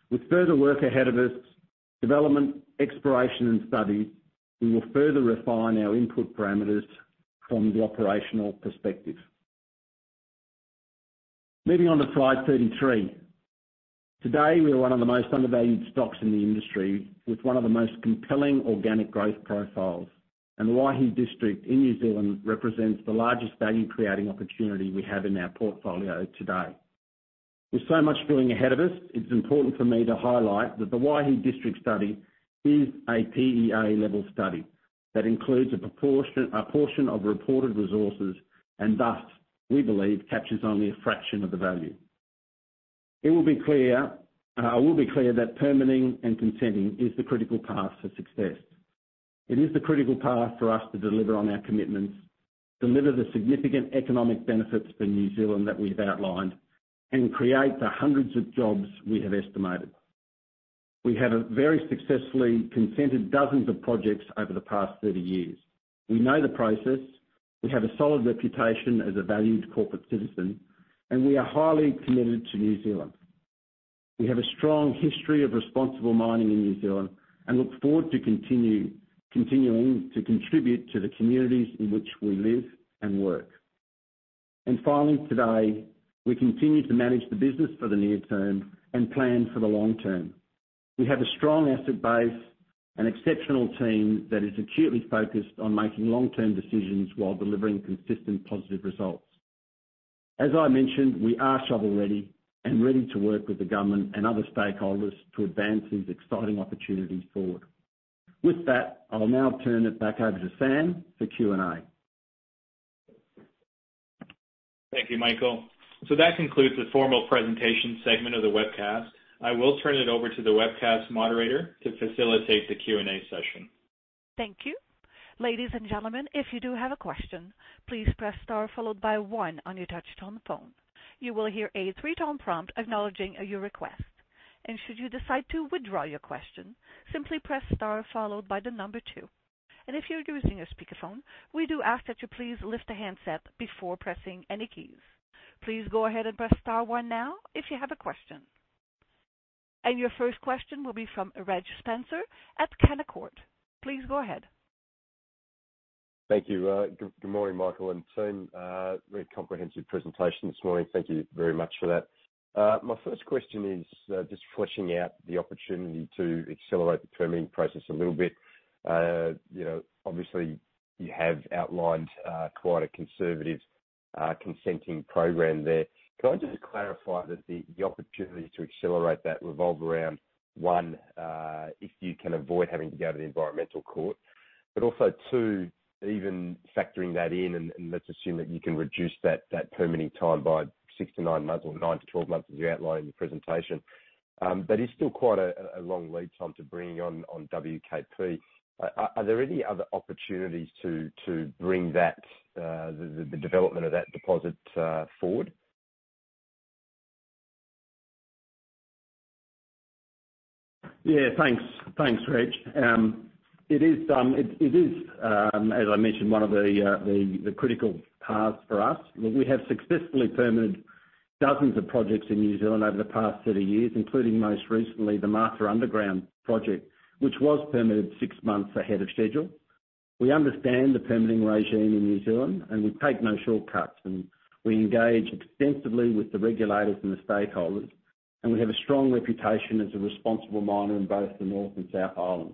With further work ahead of us, development, exploration, and study, we will further refine our input parameters from the operational perspective. Moving on to slide 33. Today, we are one of the most undervalued stocks in the industry with one of the most compelling organic growth profiles, and Waihi District in New Zealand represents the largest value-creating opportunity we have in our portfolio today. With so much going ahead of us, it's important for me to highlight that the Waihi District Study is a PEA-level study that includes a portion of reported resources, and thus, we believe captures only a fraction of the value. I will be clear that permitting and consenting is the critical path to success. It is the critical path for us to deliver on our commitments, deliver the significant economic benefits for New Zealand that we've outlined, and create the hundreds of jobs we have estimated. We have very successfully consented dozens of projects over the past 30 years. We know the process, we have a solid reputation as a valued corporate citizen, and we are highly committed to New Zealand. We have a strong history of responsible mining in New Zealand and look forward to continuing to contribute to the communities in which we live and work. Finally, today, we continue to manage the business for the near term and plan for the long term. We have a strong asset base and exceptional team that is acutely focused on making long-term decisions while delivering consistent positive results. As I mentioned, we are shovel-ready and ready to work with the government and other stakeholders to advance these exciting opportunities forward. With that, I'll now turn it back over to Sam for Q&A. Thank you, Michael. That concludes the formal presentation segment of the webcast. I will turn it over to the webcast moderator to facilitate the Q&A session. Thank you. Ladies and gentlemen, if you do have a question, please press star followed by one on your touchtone phone. You will hear a three-tone prompt acknowledging your request. Should you decide to withdraw your question, simply press star followed by the number two. If you're using a speakerphone, we do ask that you please lift the handset before pressing any keys. Please go ahead and press star one now if you have a question. Your first question will be from Reg Spencer at Canaccord. Please go ahead. Thank you. Good morning, Michael and team. Very comprehensive presentation this morning. Thank you very much for that. My first question is just fleshing out the opportunity to accelerate the permitting process a little bit. Obviously, you have outlined quite a conservative consenting program there. Can I just clarify that the opportunities to accelerate that revolve around, one, if you can avoid having to go to the Environment Court, but also, two, even factoring that in, and let's assume that you can reduce that permitting time by 6-9 months or 9-12 months as you outlined in the presentation. That is still quite a long lead time to bring on WKP. Are there any other opportunities to bring the development of that deposit forward? Yeah, thanks. Thanks, Reg. It is, as I mentioned, one of the critical paths for us. Look, we have successfully permitted dozens of projects in New Zealand over the past 30 years, including most recently the Martha Underground project, which was permitted six months ahead of schedule. We understand the permitting regime in New Zealand, we take no shortcuts, we engage extensively with the regulators and the stakeholders, and we have a strong reputation as a responsible miner in both the North and South Islands.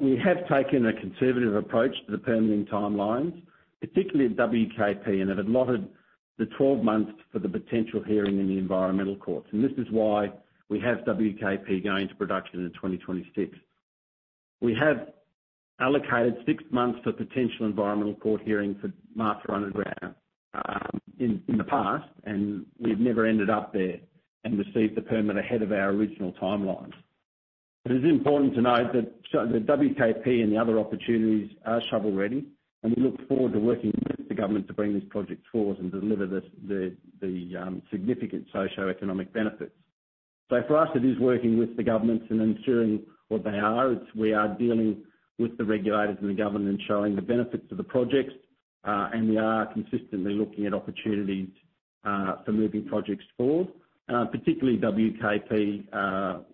We have taken a conservative approach to the permitting timelines, particularly at WKP, have allotted the 12 months for the potential hearing in the Environment Court. This is why we have WKP going to production in 2026. We have allocated 6 months to potential Environment Court hearings for Martha Underground in the past, and we've never ended up there and received the permit ahead of our original timelines. It's important to note that the WKP and the other opportunities are shovel-ready, and we look forward to working with the government to bring these projects forward and deliver the significant socioeconomic benefits. For us, it is working with the governments and ensuring what they are. We are dealing with the regulators and the government and showing the benefits of the projects, and we are consistently looking at opportunities for moving projects forward, particularly WKP.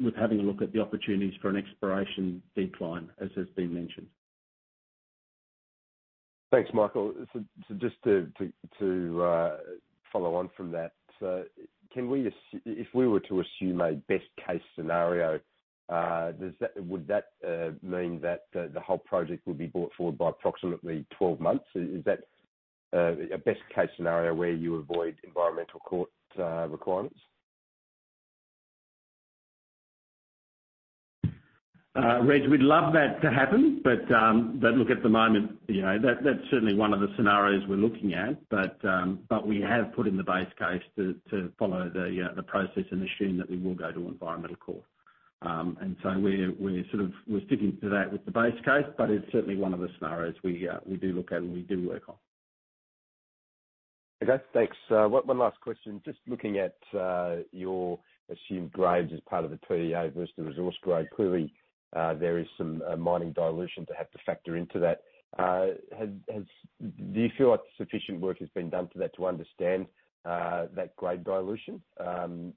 With having a look at the opportunities for an exploration decline, as has been mentioned. Thanks, Michael. Just to follow on from that, if we were to assume a best-case scenario, would that mean that the whole project would be brought forward by approximately 12 months? Is that a best-case scenario where you avoid Environment Court requirements? Reg, we'd love that to happen, but look, at the moment, that's certainly one of the scenarios we're looking at, but we have put in the base case to follow the process and assume that we will go to Environment Court. We're sticking to that with the base case, but it's certainly one of the scenarios we do look at and we do work on. Okay. That's thanks. One last question. Just looking at your assumed grades as part of the PEA versus resource grade, clearly there is some mining dilution to have to factor into that. Do you feel like sufficient work has been done for that to understand that grade dilution?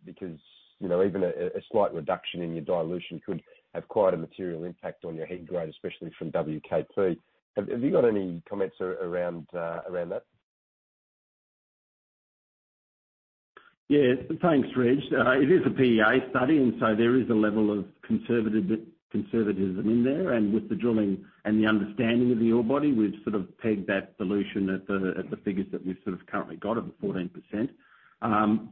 Because even a slight reduction in your dilution could have quite a material impact on your head grade, especially from WKP. Have you got any comments around that? Yeah. Thanks, Reg. It is a PEA study, there is a level of conservatism in there. With the drilling and the understanding of the ore body, we've sort of pegged that dilution at the figures that we sort of currently got at 14%.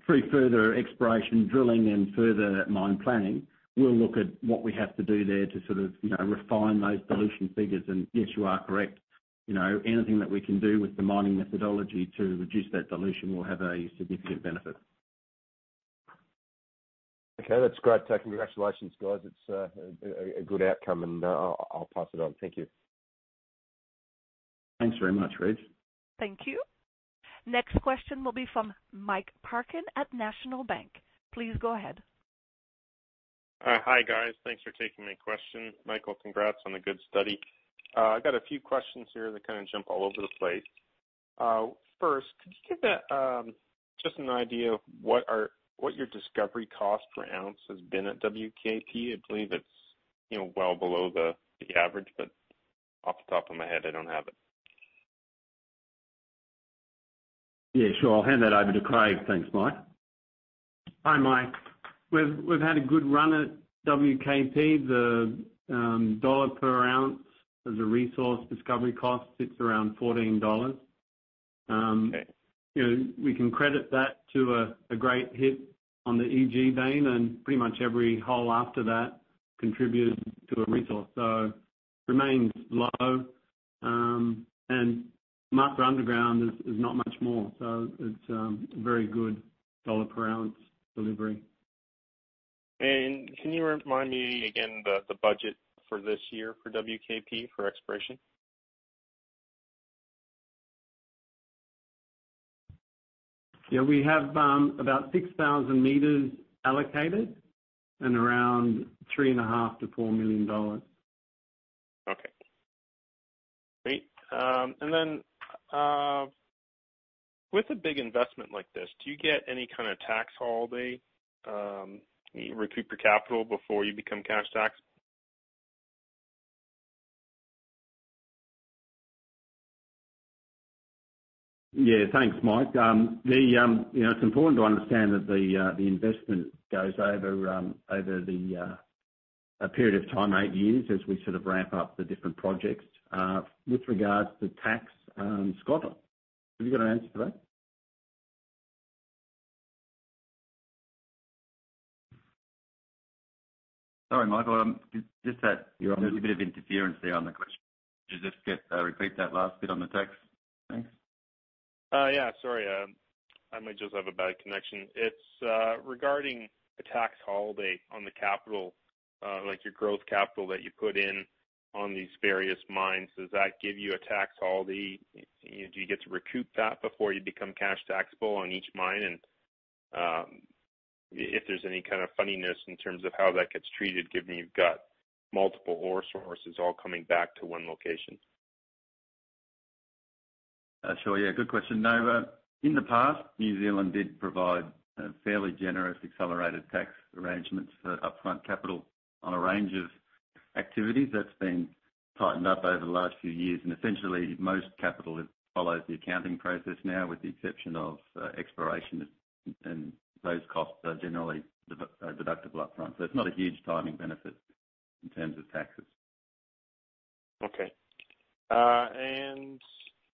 Through further exploration drilling and further mine planning, we'll look at what we have to do there to sort of refine those dilution figures. Yes, you are correct. Anything that we can do with the mining methodology to reduce that dilution will have a significant benefit. Okay. That's great. Congratulations, guys. It's a good outcome, and I'll pass it on. Thank you. Thanks very much, Reg. Thank you. Next question will be from Mike Parkin at National Bank. Please go ahead. Hi, guys. Thanks for taking my question. Michael, congrats on a good study. I got a few questions here that kind of jump all over the place. First, could you give just an idea of what your discovery cost per ounce has been at WKP? I believe it's well below the average, but off the top of my head, I don't have it. Yeah, sure. I'll hand that over to Craig. Thanks, Mike. Hi, Mike. We've had a good run at WKP. The dollar per ounce as a resource discovery cost sits around $14. Okay. We can credit that to a great hit on the EG vein, and pretty much every hole after that contributed to the resource. Remains low. Mark, underground is not much more, so it's very good dollar per ounce delivery. Can you remind me again the budget for this year for WKP for exploration? Yeah, we have about 6,000 meters allocated and around $3.5 million-$4 million. Okay. Great. With a big investment like this, do you get any kind of tax holiday? Do you recoup your capital before you become cash taxed? Yeah. Thanks, Mike. It's important to understand that the investment goes over a period of time, eight years, as we sort of ramp up the different projects. With regards to tax, Scott, have you got an answer for that? Sorry, Michael, just had a bit of interference there on the question. Could you just repeat that last bit on the tax? Thanks. Yeah, sorry. I might just have a bad connection. It's regarding a tax holiday on the capital, like your growth capital that you put in on these various mines. Does that give you a tax holiday? Do you get to recoup that before you become cash taxable on each mine? If there's any kind of funniness in terms of how that gets treated, given you've got multiple ore sources all coming back to one location. Sure. Yeah, good question. In the past, New Zealand did provide fairly generous accelerated tax arrangements for upfront capital on a range of activities. That's been tightened up over the last few years, and essentially, most capital follows the accounting process now, with the exception of exploration and those costs are generally deducted upfront. It's not a huge timing benefit in terms of taxes. Okay.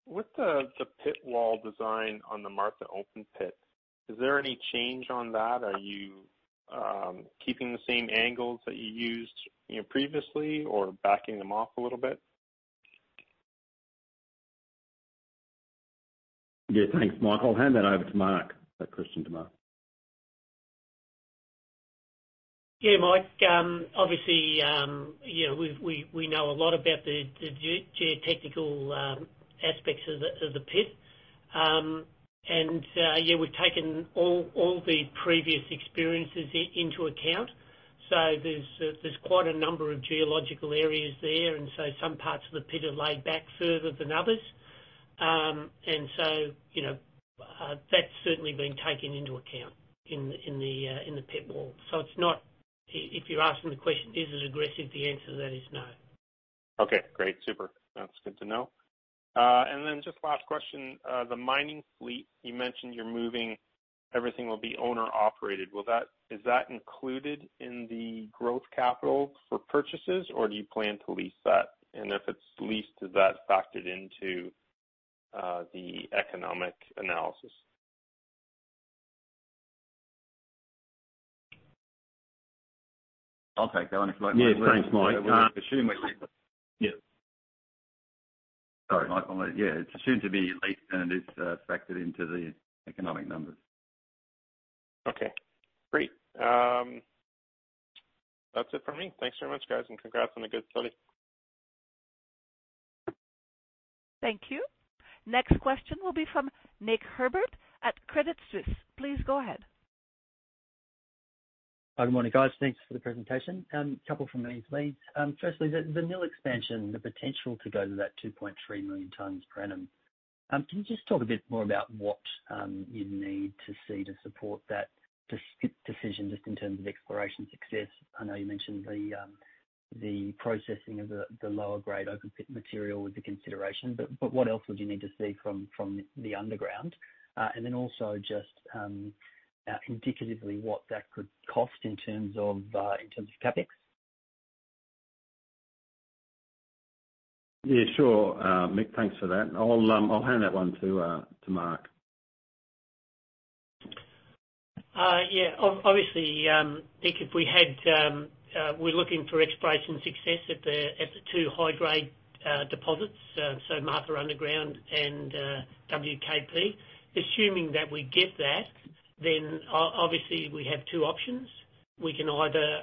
With the pit wall design on the Martha open pit, is there any change on that? Are you keeping the same angles that you used previously or backing them off a little bit? Yeah. Thanks, Mike. I'll hand that over to Mark. That question to Mark. Yeah, Mike, obviously, we know a lot about the geotechnical aspects of the pit. Yeah, we've taken all the previous experiences into account. There's quite a number of geological areas there, some parts of the pit are laid back further than others. That's certainly been taken into account in the pit wall. If you're asking the question, is it aggressive, the answer to that is no. Okay, great. Super. That's good to know. Just last question, the mining fleet, you mentioned you're moving, everything will be owner-operated. Is that included in the growth capital for purchases, or do you plan to lease that? If it's leased, is that factored into the economic analysis? Okay. Yeah, thanks, Michael. Yeah, it seems to be leased, and it's factored into the economic numbers. Okay, great. That's it for me. Thanks very much, guys, and congrats on a good study. Thank you. Next question will be from Nick Herbert at Credit Suisse. Please go ahead. Good morning, guys. Thanks for the presentation. A couple from me, please. Firstly, the mill expansion, the potential to go to that 2.3 million tonnes per annum. Can you just talk a bit more about what you'd need to see to support that decision just in terms of exploration success? I know you mentioned the processing of the lower-grade open pit material was a consideration. What else would you need to see from the underground? Also just indicatively what that could cost in terms of CapEx? Yeah, sure. Nick, thanks for that. I'll hand that one to Mark. Obviously, Nick, we're looking for exploration success at the two high-grade deposits, so Martha Underground and WKP. Assuming that we get that, obviously we have two options. We can either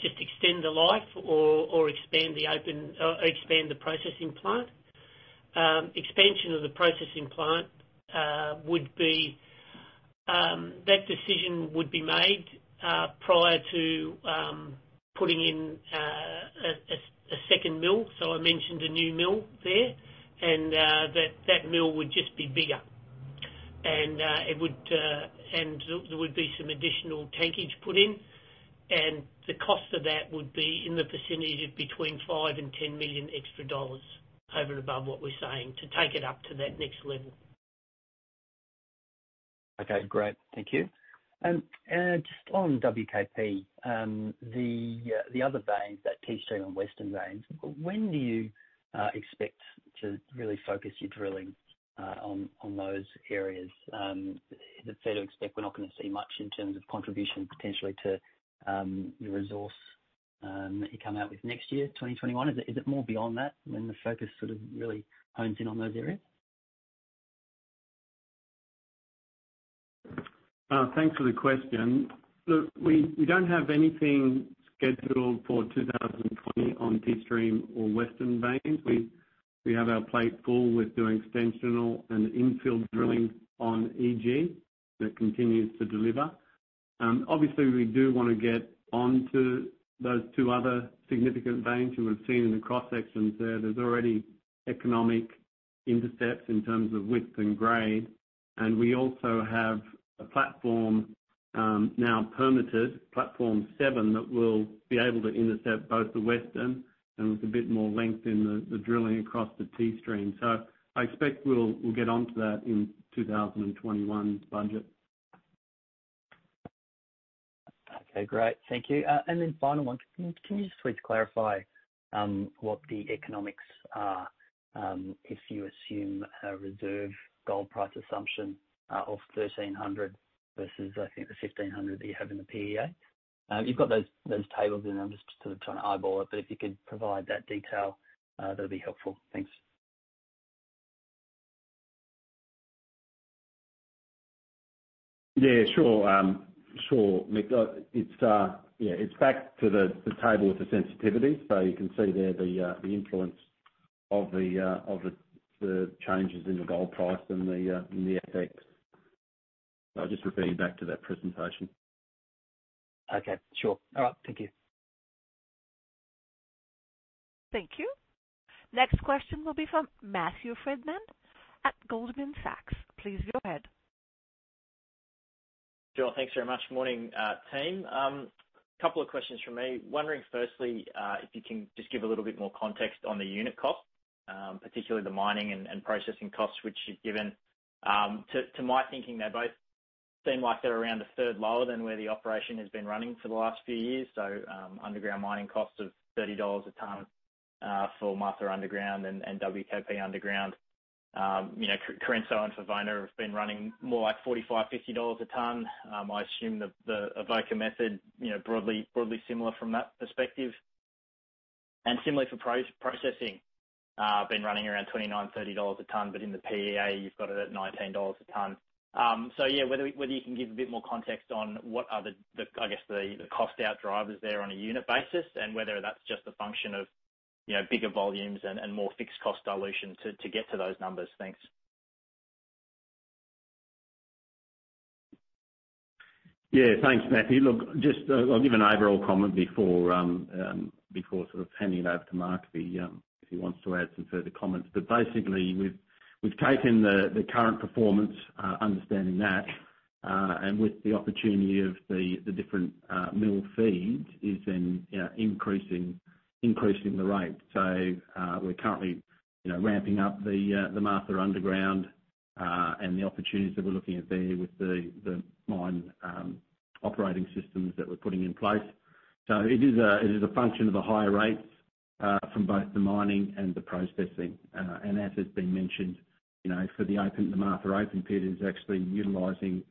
just extend the life or expand the processing plant. Expansion of the processing plant, that decision would be made prior to putting in a second mill. I mentioned a new mill there, that mill would just be bigger. There would be some additional tankage put in, the cost of that would be in the vicinity of between $5 million and $10 million extra dollars over and above what we're saying to take it up to that next level. Okay, great. Thank you. Just on WKP, the other vein, that T-Stream and Western veins, when do you expect to really focus your drilling on those areas? Is it fair to expect we're not going to see much in terms of contribution potentially to your resource that you come out with next year, 2021. Is it more beyond that, when the focus sort of really hones in on those areas? Thanks for the question. We don't have anything scheduled for 2020 on T-Stream or Western vein. We have our plate full with doing extensional and infill drilling on EG that continues to deliver. We do want to get onto those two other significant veins. We've seen in the cross-sections there's already economic intercepts in terms of width and grade. We also have a platform now permitted, platform seven, that will be able to intercept both the Western, and with a bit more length in the drilling across the T-Stream. I expect we'll get onto that in 2021 budget. Okay, great. Thank you. Final one, can you just please clarify what the economics are if you assume a reserve gold price assumption of $1,300 versus, I think the $1,600 that you have in the PEA? You've got those tables, I'm just sort of trying to eyeball it. If you could provide that detail, that'd be helpful. Thanks. Yeah, sure. Nick, it's back to the table for sensitivity. You can see there the influence of the changes in the gold price and the effect. I'll just refer you back to that presentation. Okay, sure. All right. Thank you. Thank you. Next question will be from Matthew Frydman at Goldman Sachs. Please go ahead. Sure. Thanks very much. Morning, team. Couple of questions from me. Wondering firstly, if you can just give a little bit more context on the unit cost, particularly the mining and processing costs, which you've given. To my thinking, they both seem like they're around a third lower than where the operation has been running for the last few years. Underground mining cost of $30 a ton for Martha Underground and WKP underground. Correnso and Favona have been running more like $45-$50 a ton. I assume the Avoca method, broadly similar from that perspective. Similarly for processing, been running around $29-$30 a ton, but in the PEA, you've got it at $19 a ton. Yeah, whether you can give a bit more context on what are the cost out drivers there on a unit basis and whether that's just a function of bigger volumes and more fixed cost dilution to get to those numbers? Thanks. Yeah. Thanks, Matthew. Look, just I'll give an overall comment before sort of handing over to Mark if he wants to add some further comments. Basically, we've taken the current performance, understanding that, and with the opportunity of the different mill feeds is in increasing the rate. We're currently ramping up the Martha Underground and the opportunities that we're looking at there with the mine operating systems that we're putting in place. It is a function of the higher rates from both the mining and the processing. As has been mentioned, for the Martha Open Pit is actually utilizing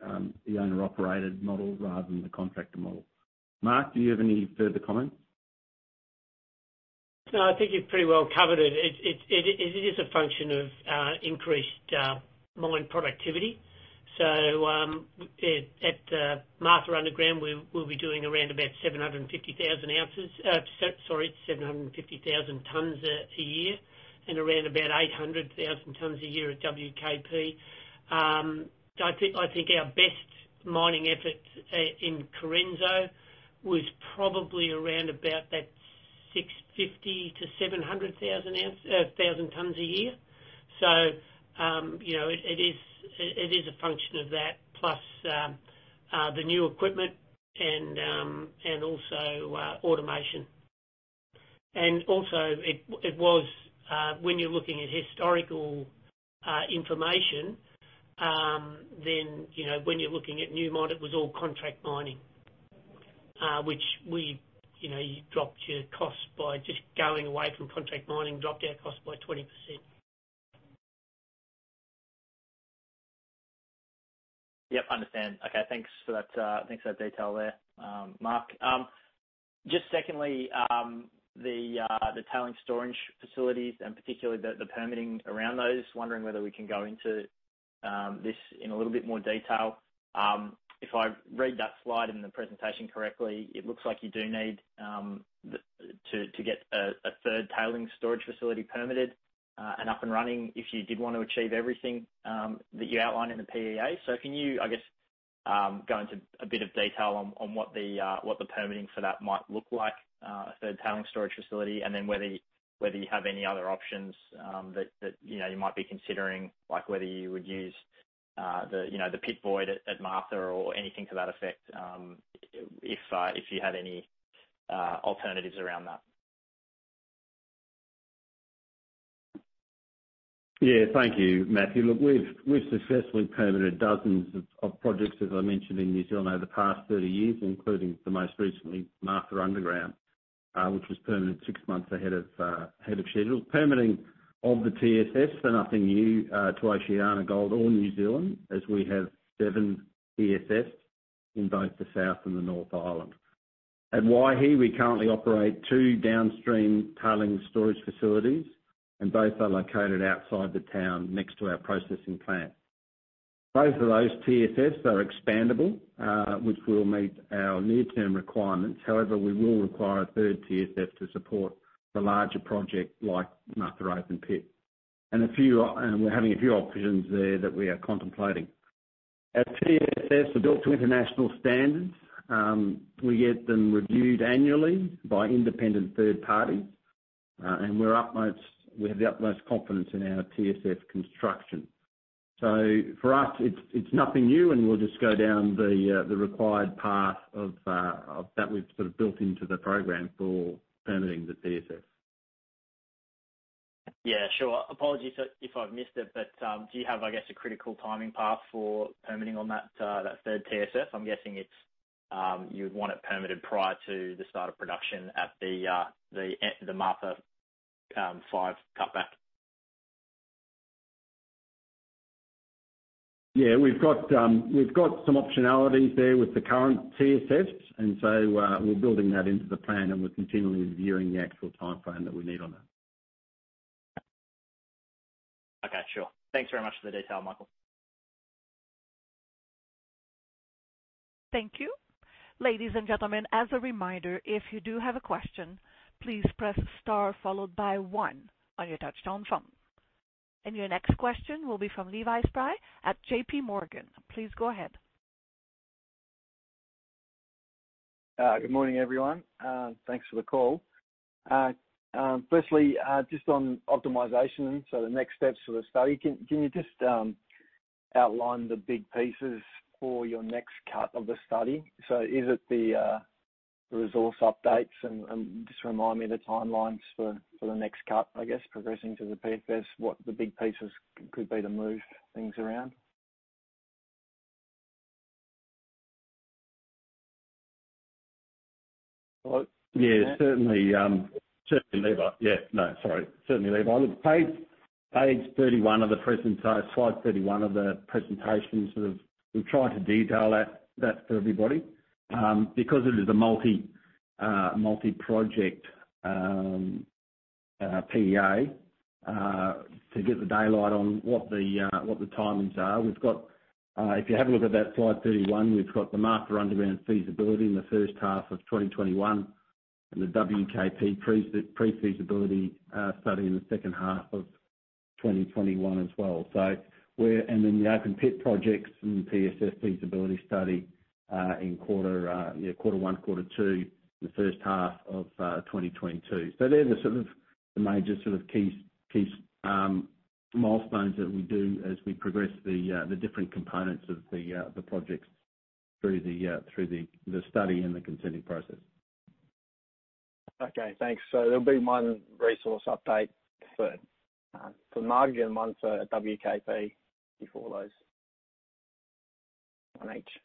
the owner-operated model rather than the contractor model. Mark, do you have any further comments? No, I think you've pretty well covered it. It is a function of increased mine productivity. At Martha Underground, we'll be doing around about 750,000 tonnes a year and around about 800,000 tonnes a year at WKP. I think our best mining efforts in Correnso was probably around about that 650,000-700,000 tonnes a year. It is a function of that plus the new equipment and also automation. Also it was, when you're looking at historical information, then when you're looking at Newmont, it was all contract mining. Which you dropped your cost by just going away from contract mining, dropped our cost by 20%. Yep, understand. Okay, thanks for that detail there, Mark. Just secondly, the tailing storage facilities and particularly the permitting around those, wondering whether we can go into this in a little bit more detail. If I read that slide in the presentation correctly, it looks like you do need to get a third tailing storage facility permitted and up and running if you did want to achieve everything that you outlined in the PEA. Can you, I guess, go into a bit of detail on what the permitting for that might look like, a third tailing storage facility, and then whether you have any other options that you might be considering, like whether you would use the pit void at Martha or anything to that effect, if you had any alternatives around that? Thank you, Matthew. We've successfully permitted dozens of projects, as I mentioned, in New Zealand over the past 30 years, including the most recently, Martha Underground, which was permitted six months ahead of schedule. Permitting of the TSF is nothing new to OceanaGold or New Zealand, as we have seven TSFs in both the South and the North Island. At Waihi, we currently operate two downstream tailing storage facilities. Both are located outside the town next to our processing plant. Both of those TSFs are expandable, which will meet our near-term requirements. We will require a third TSF to support a larger project like Martha open pit. We're having a few options there that we are contemplating. Our TSFs are built to international standards. We get them reviewed annually by independent third parties. We have the utmost confidence in our TSF construction. For us, it's nothing new, and we'll just go down the required path of that we've sort of built into the program for permitting the TSF. Yeah, sure. Apologies if I missed it, but do you have, I guess, a critical timing path for permitting on that third TSF? I'm guessing you'd want it permitted prior to the start of production at the end of the Martha five cutback. Yeah, we've got some optionality there with the current TSFs, and so we're building that into the plan, and we're continually reviewing the actual timeline that we need on that. Okay, sure. Thanks very much for the detail, Michael. Thank you. Ladies and gentlemen, as a reminder, if you do have a question, please press star followed by one on your touchtone phone. Your next question will be from Levi Spry at JP Morgan. Please go ahead. Good morning, everyone. Thanks for the call. Firstly, just on optimization, the next steps of the study, can you just outline the big pieces for your next cut of the study? Is it the resource updates? Just remind me of the timelines for the next cut, I guess, progressing to the PFS, what the big pieces could be to move things around. Certainly, Levi. Page 31 of the presentation, slide 31 of the presentation, we try to detail that for everybody because it is a multi-project PEA to get the daylight on what the timings are. If you have a look at that slide 31, we've got the Martha Underground feasibility in the first half of 2021 and the WKP pre-feasibility study in the second half of 2021 as well. Then the open pit projects and the PFS feasibility study in quarter one, quarter two, the first half of 2022. They're the major key milestones that we do as we progress the different components of the projects through the study and the consenting process. Okay, thanks. There'll be one resource update for Martha and one for WKP before those. One each. Yeah.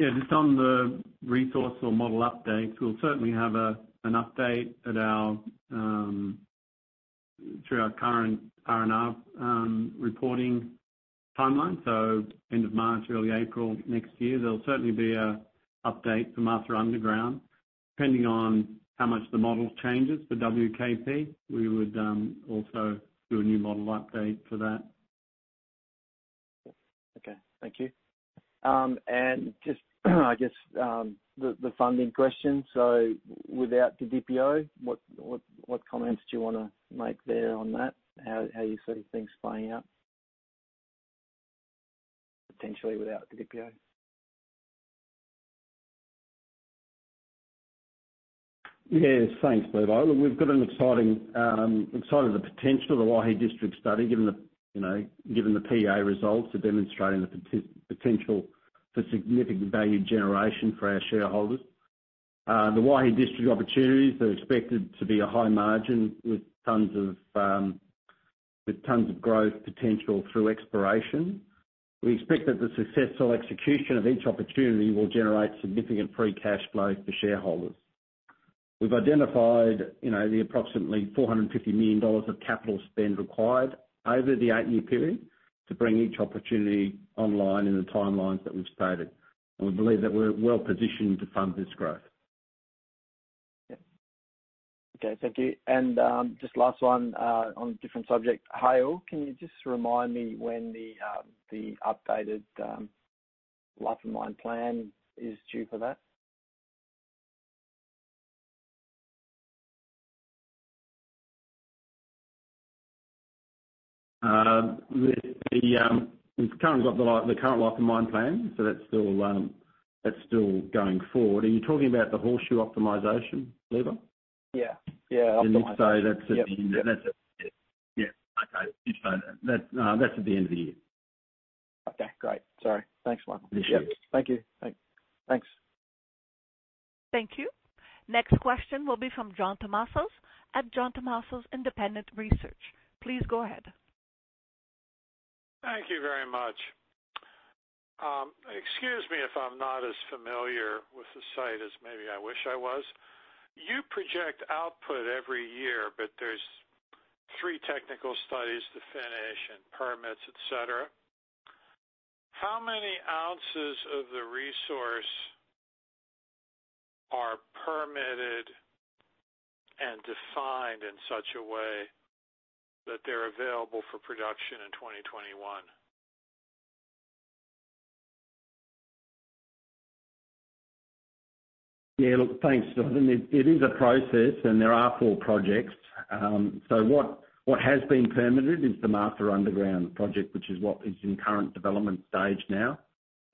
Yeah. Just on the resource or model updates, we'll certainly have an update through our current reporting timeline, so end of March, early April next year. There'll certainly be an update for Martha Underground. Depending on how much the model changes, the WKP, we would also do a new model update for that. Okay. Thank you. Just the funding question. Without the Didipio, what comments do you want to make there on that? How you see things playing out potentially without the Didipio? Yes, thanks, Levi. We've got an exciting potential, the Waihi District Study, given the PEA results are demonstrating the potential for significant value generation for our shareholders. The Waihi District opportunities are expected to be a high margin with tons of growth potential through exploration. We expect that the successful execution of each opportunity will generate significant free cash flows for shareholders. We've identified the approximately $450 million of capital spend required over the eight-year period to bring each opportunity online in the timelines that we've stated, and we believe that we're well-positioned to fund this growth. Yeah. Okay. Thank you. Just last one, on a different subject. Haile, can you just remind me when the updated life and mine plan is due for that? We've currently got the current life and mine plan. That's still going forward. Are you talking about the Horseshoe optimization, Levi? Yeah. Look, that's at the end of the year. Okay, great. Thanks, Michael. Thank you. Thanks. Thank you. Next question will be from John Tumazos at John Tumazos Very Independent Research, LLC. Please go ahead. Thank you very much. Excuse me if I'm not as familiar with the site as maybe I wish I was. You project output every year, but there's three technical studies to finish and permits, et cetera. How many ounces of the resource are permitted and defined in such a way that they're available for production in 2021? Yeah, look, thanks, John. It is a process, there are four projects. What has been permitted is the Martha Underground project, which is what is in current development stage now.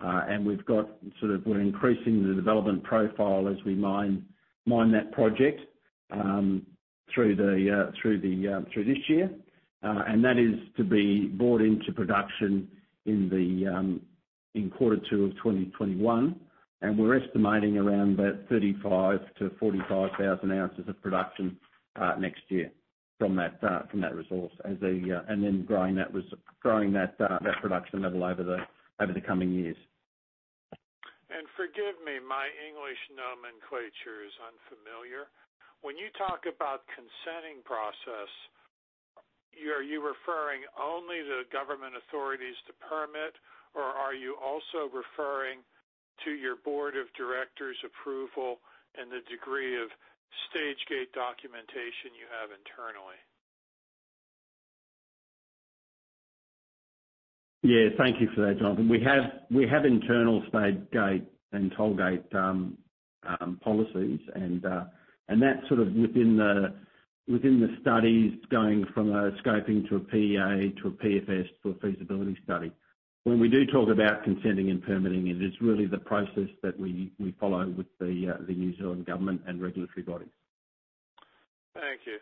We're increasing the development profile as we mine that project through this year. That is to be brought into production in Q2 of 2021. We're estimating around about 35,000-45,000 ounces of production next year from that resource, and then growing that production level over the coming years. Forgive me, my English nomenclature is unfamiliar. When you talk about consenting process, are you referring only to government authorities to permit, or are you also referring to your board of directors approval and the degree of stage gate documentation you have internally? Yeah, thank you for that, John. We have internal stage gate and tollgate policies. That's within the studies going from a scoping to a PEA, to a PFS, to a feasibility study. When we do talk about consenting and permitting, it is really the process that we follow with the New Zealand government and regulatory bodies. Thank you.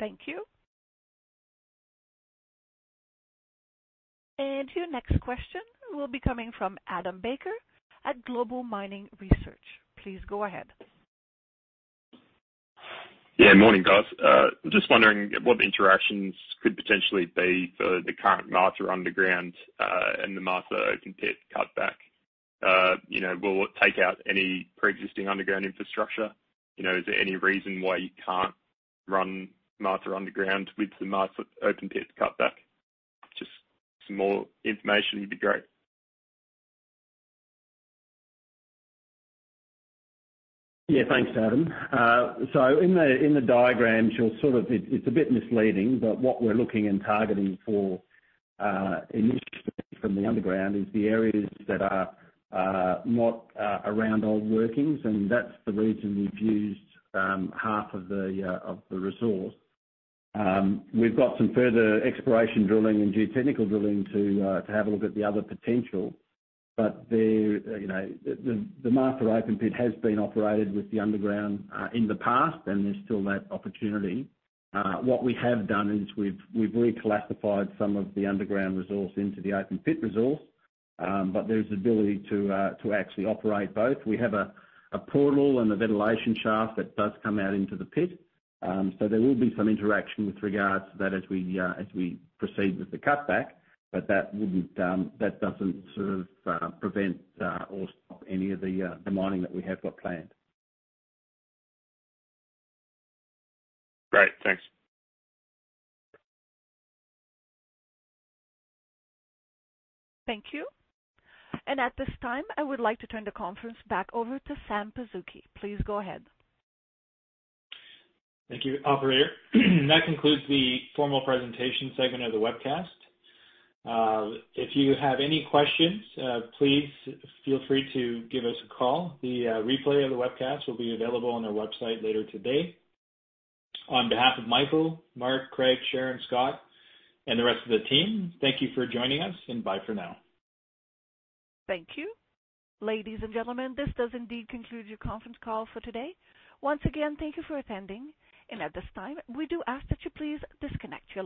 Thank you. Your next question will be coming from Adam Baker at Global Mining Research. Please go ahead. Yeah, morning, guys. Just wondering what the interactions could potentially be for the current Martha Underground, and the Martha open pit cutback. Will it take out any preexisting underground infrastructure? Is there any reason why you can't run Martha Underground with the Martha open pit cutback? Just some more information would be great. Yeah, thanks, Adam. In the diagrams, it's a bit misleading, but what we're looking and targeting for initially from the underground is the areas that are not around old workings, and that's the reason we've used half of the resource. We've got some further exploration drilling and geotechnical drilling to have a look at the other potential. The Martha open pit has been operated with the underground in the past, and there's still that opportunity. What we have done is we've reclassified some of the underground resource into the open pit resource, but there's ability to actually operate both. We have a portal and a ventilation shaft that does come out into the pit. There will be some interaction with regards to that as we proceed with the cutback, but that doesn't prevent any of the mining that we have got planned. Great. Thanks. Thank you. At this time, I would like to turn the conference back over to Sam Pazuki. Please go ahead. Thank you, operator. That concludes the formal presentation segment of the webcast. If you have any questions, please feel free to give us a call. The replay of the webcast will be available on our website later today. On behalf of Michael, Mark, Craig, Sharon, Scott, and the rest of the team, thank you for joining us and bye for now. Thank you. Ladies and gentlemen, this does indeed conclude your conference call for today. Once again, thank you for attending, and at this time, we do ask that you please disconnect your lines.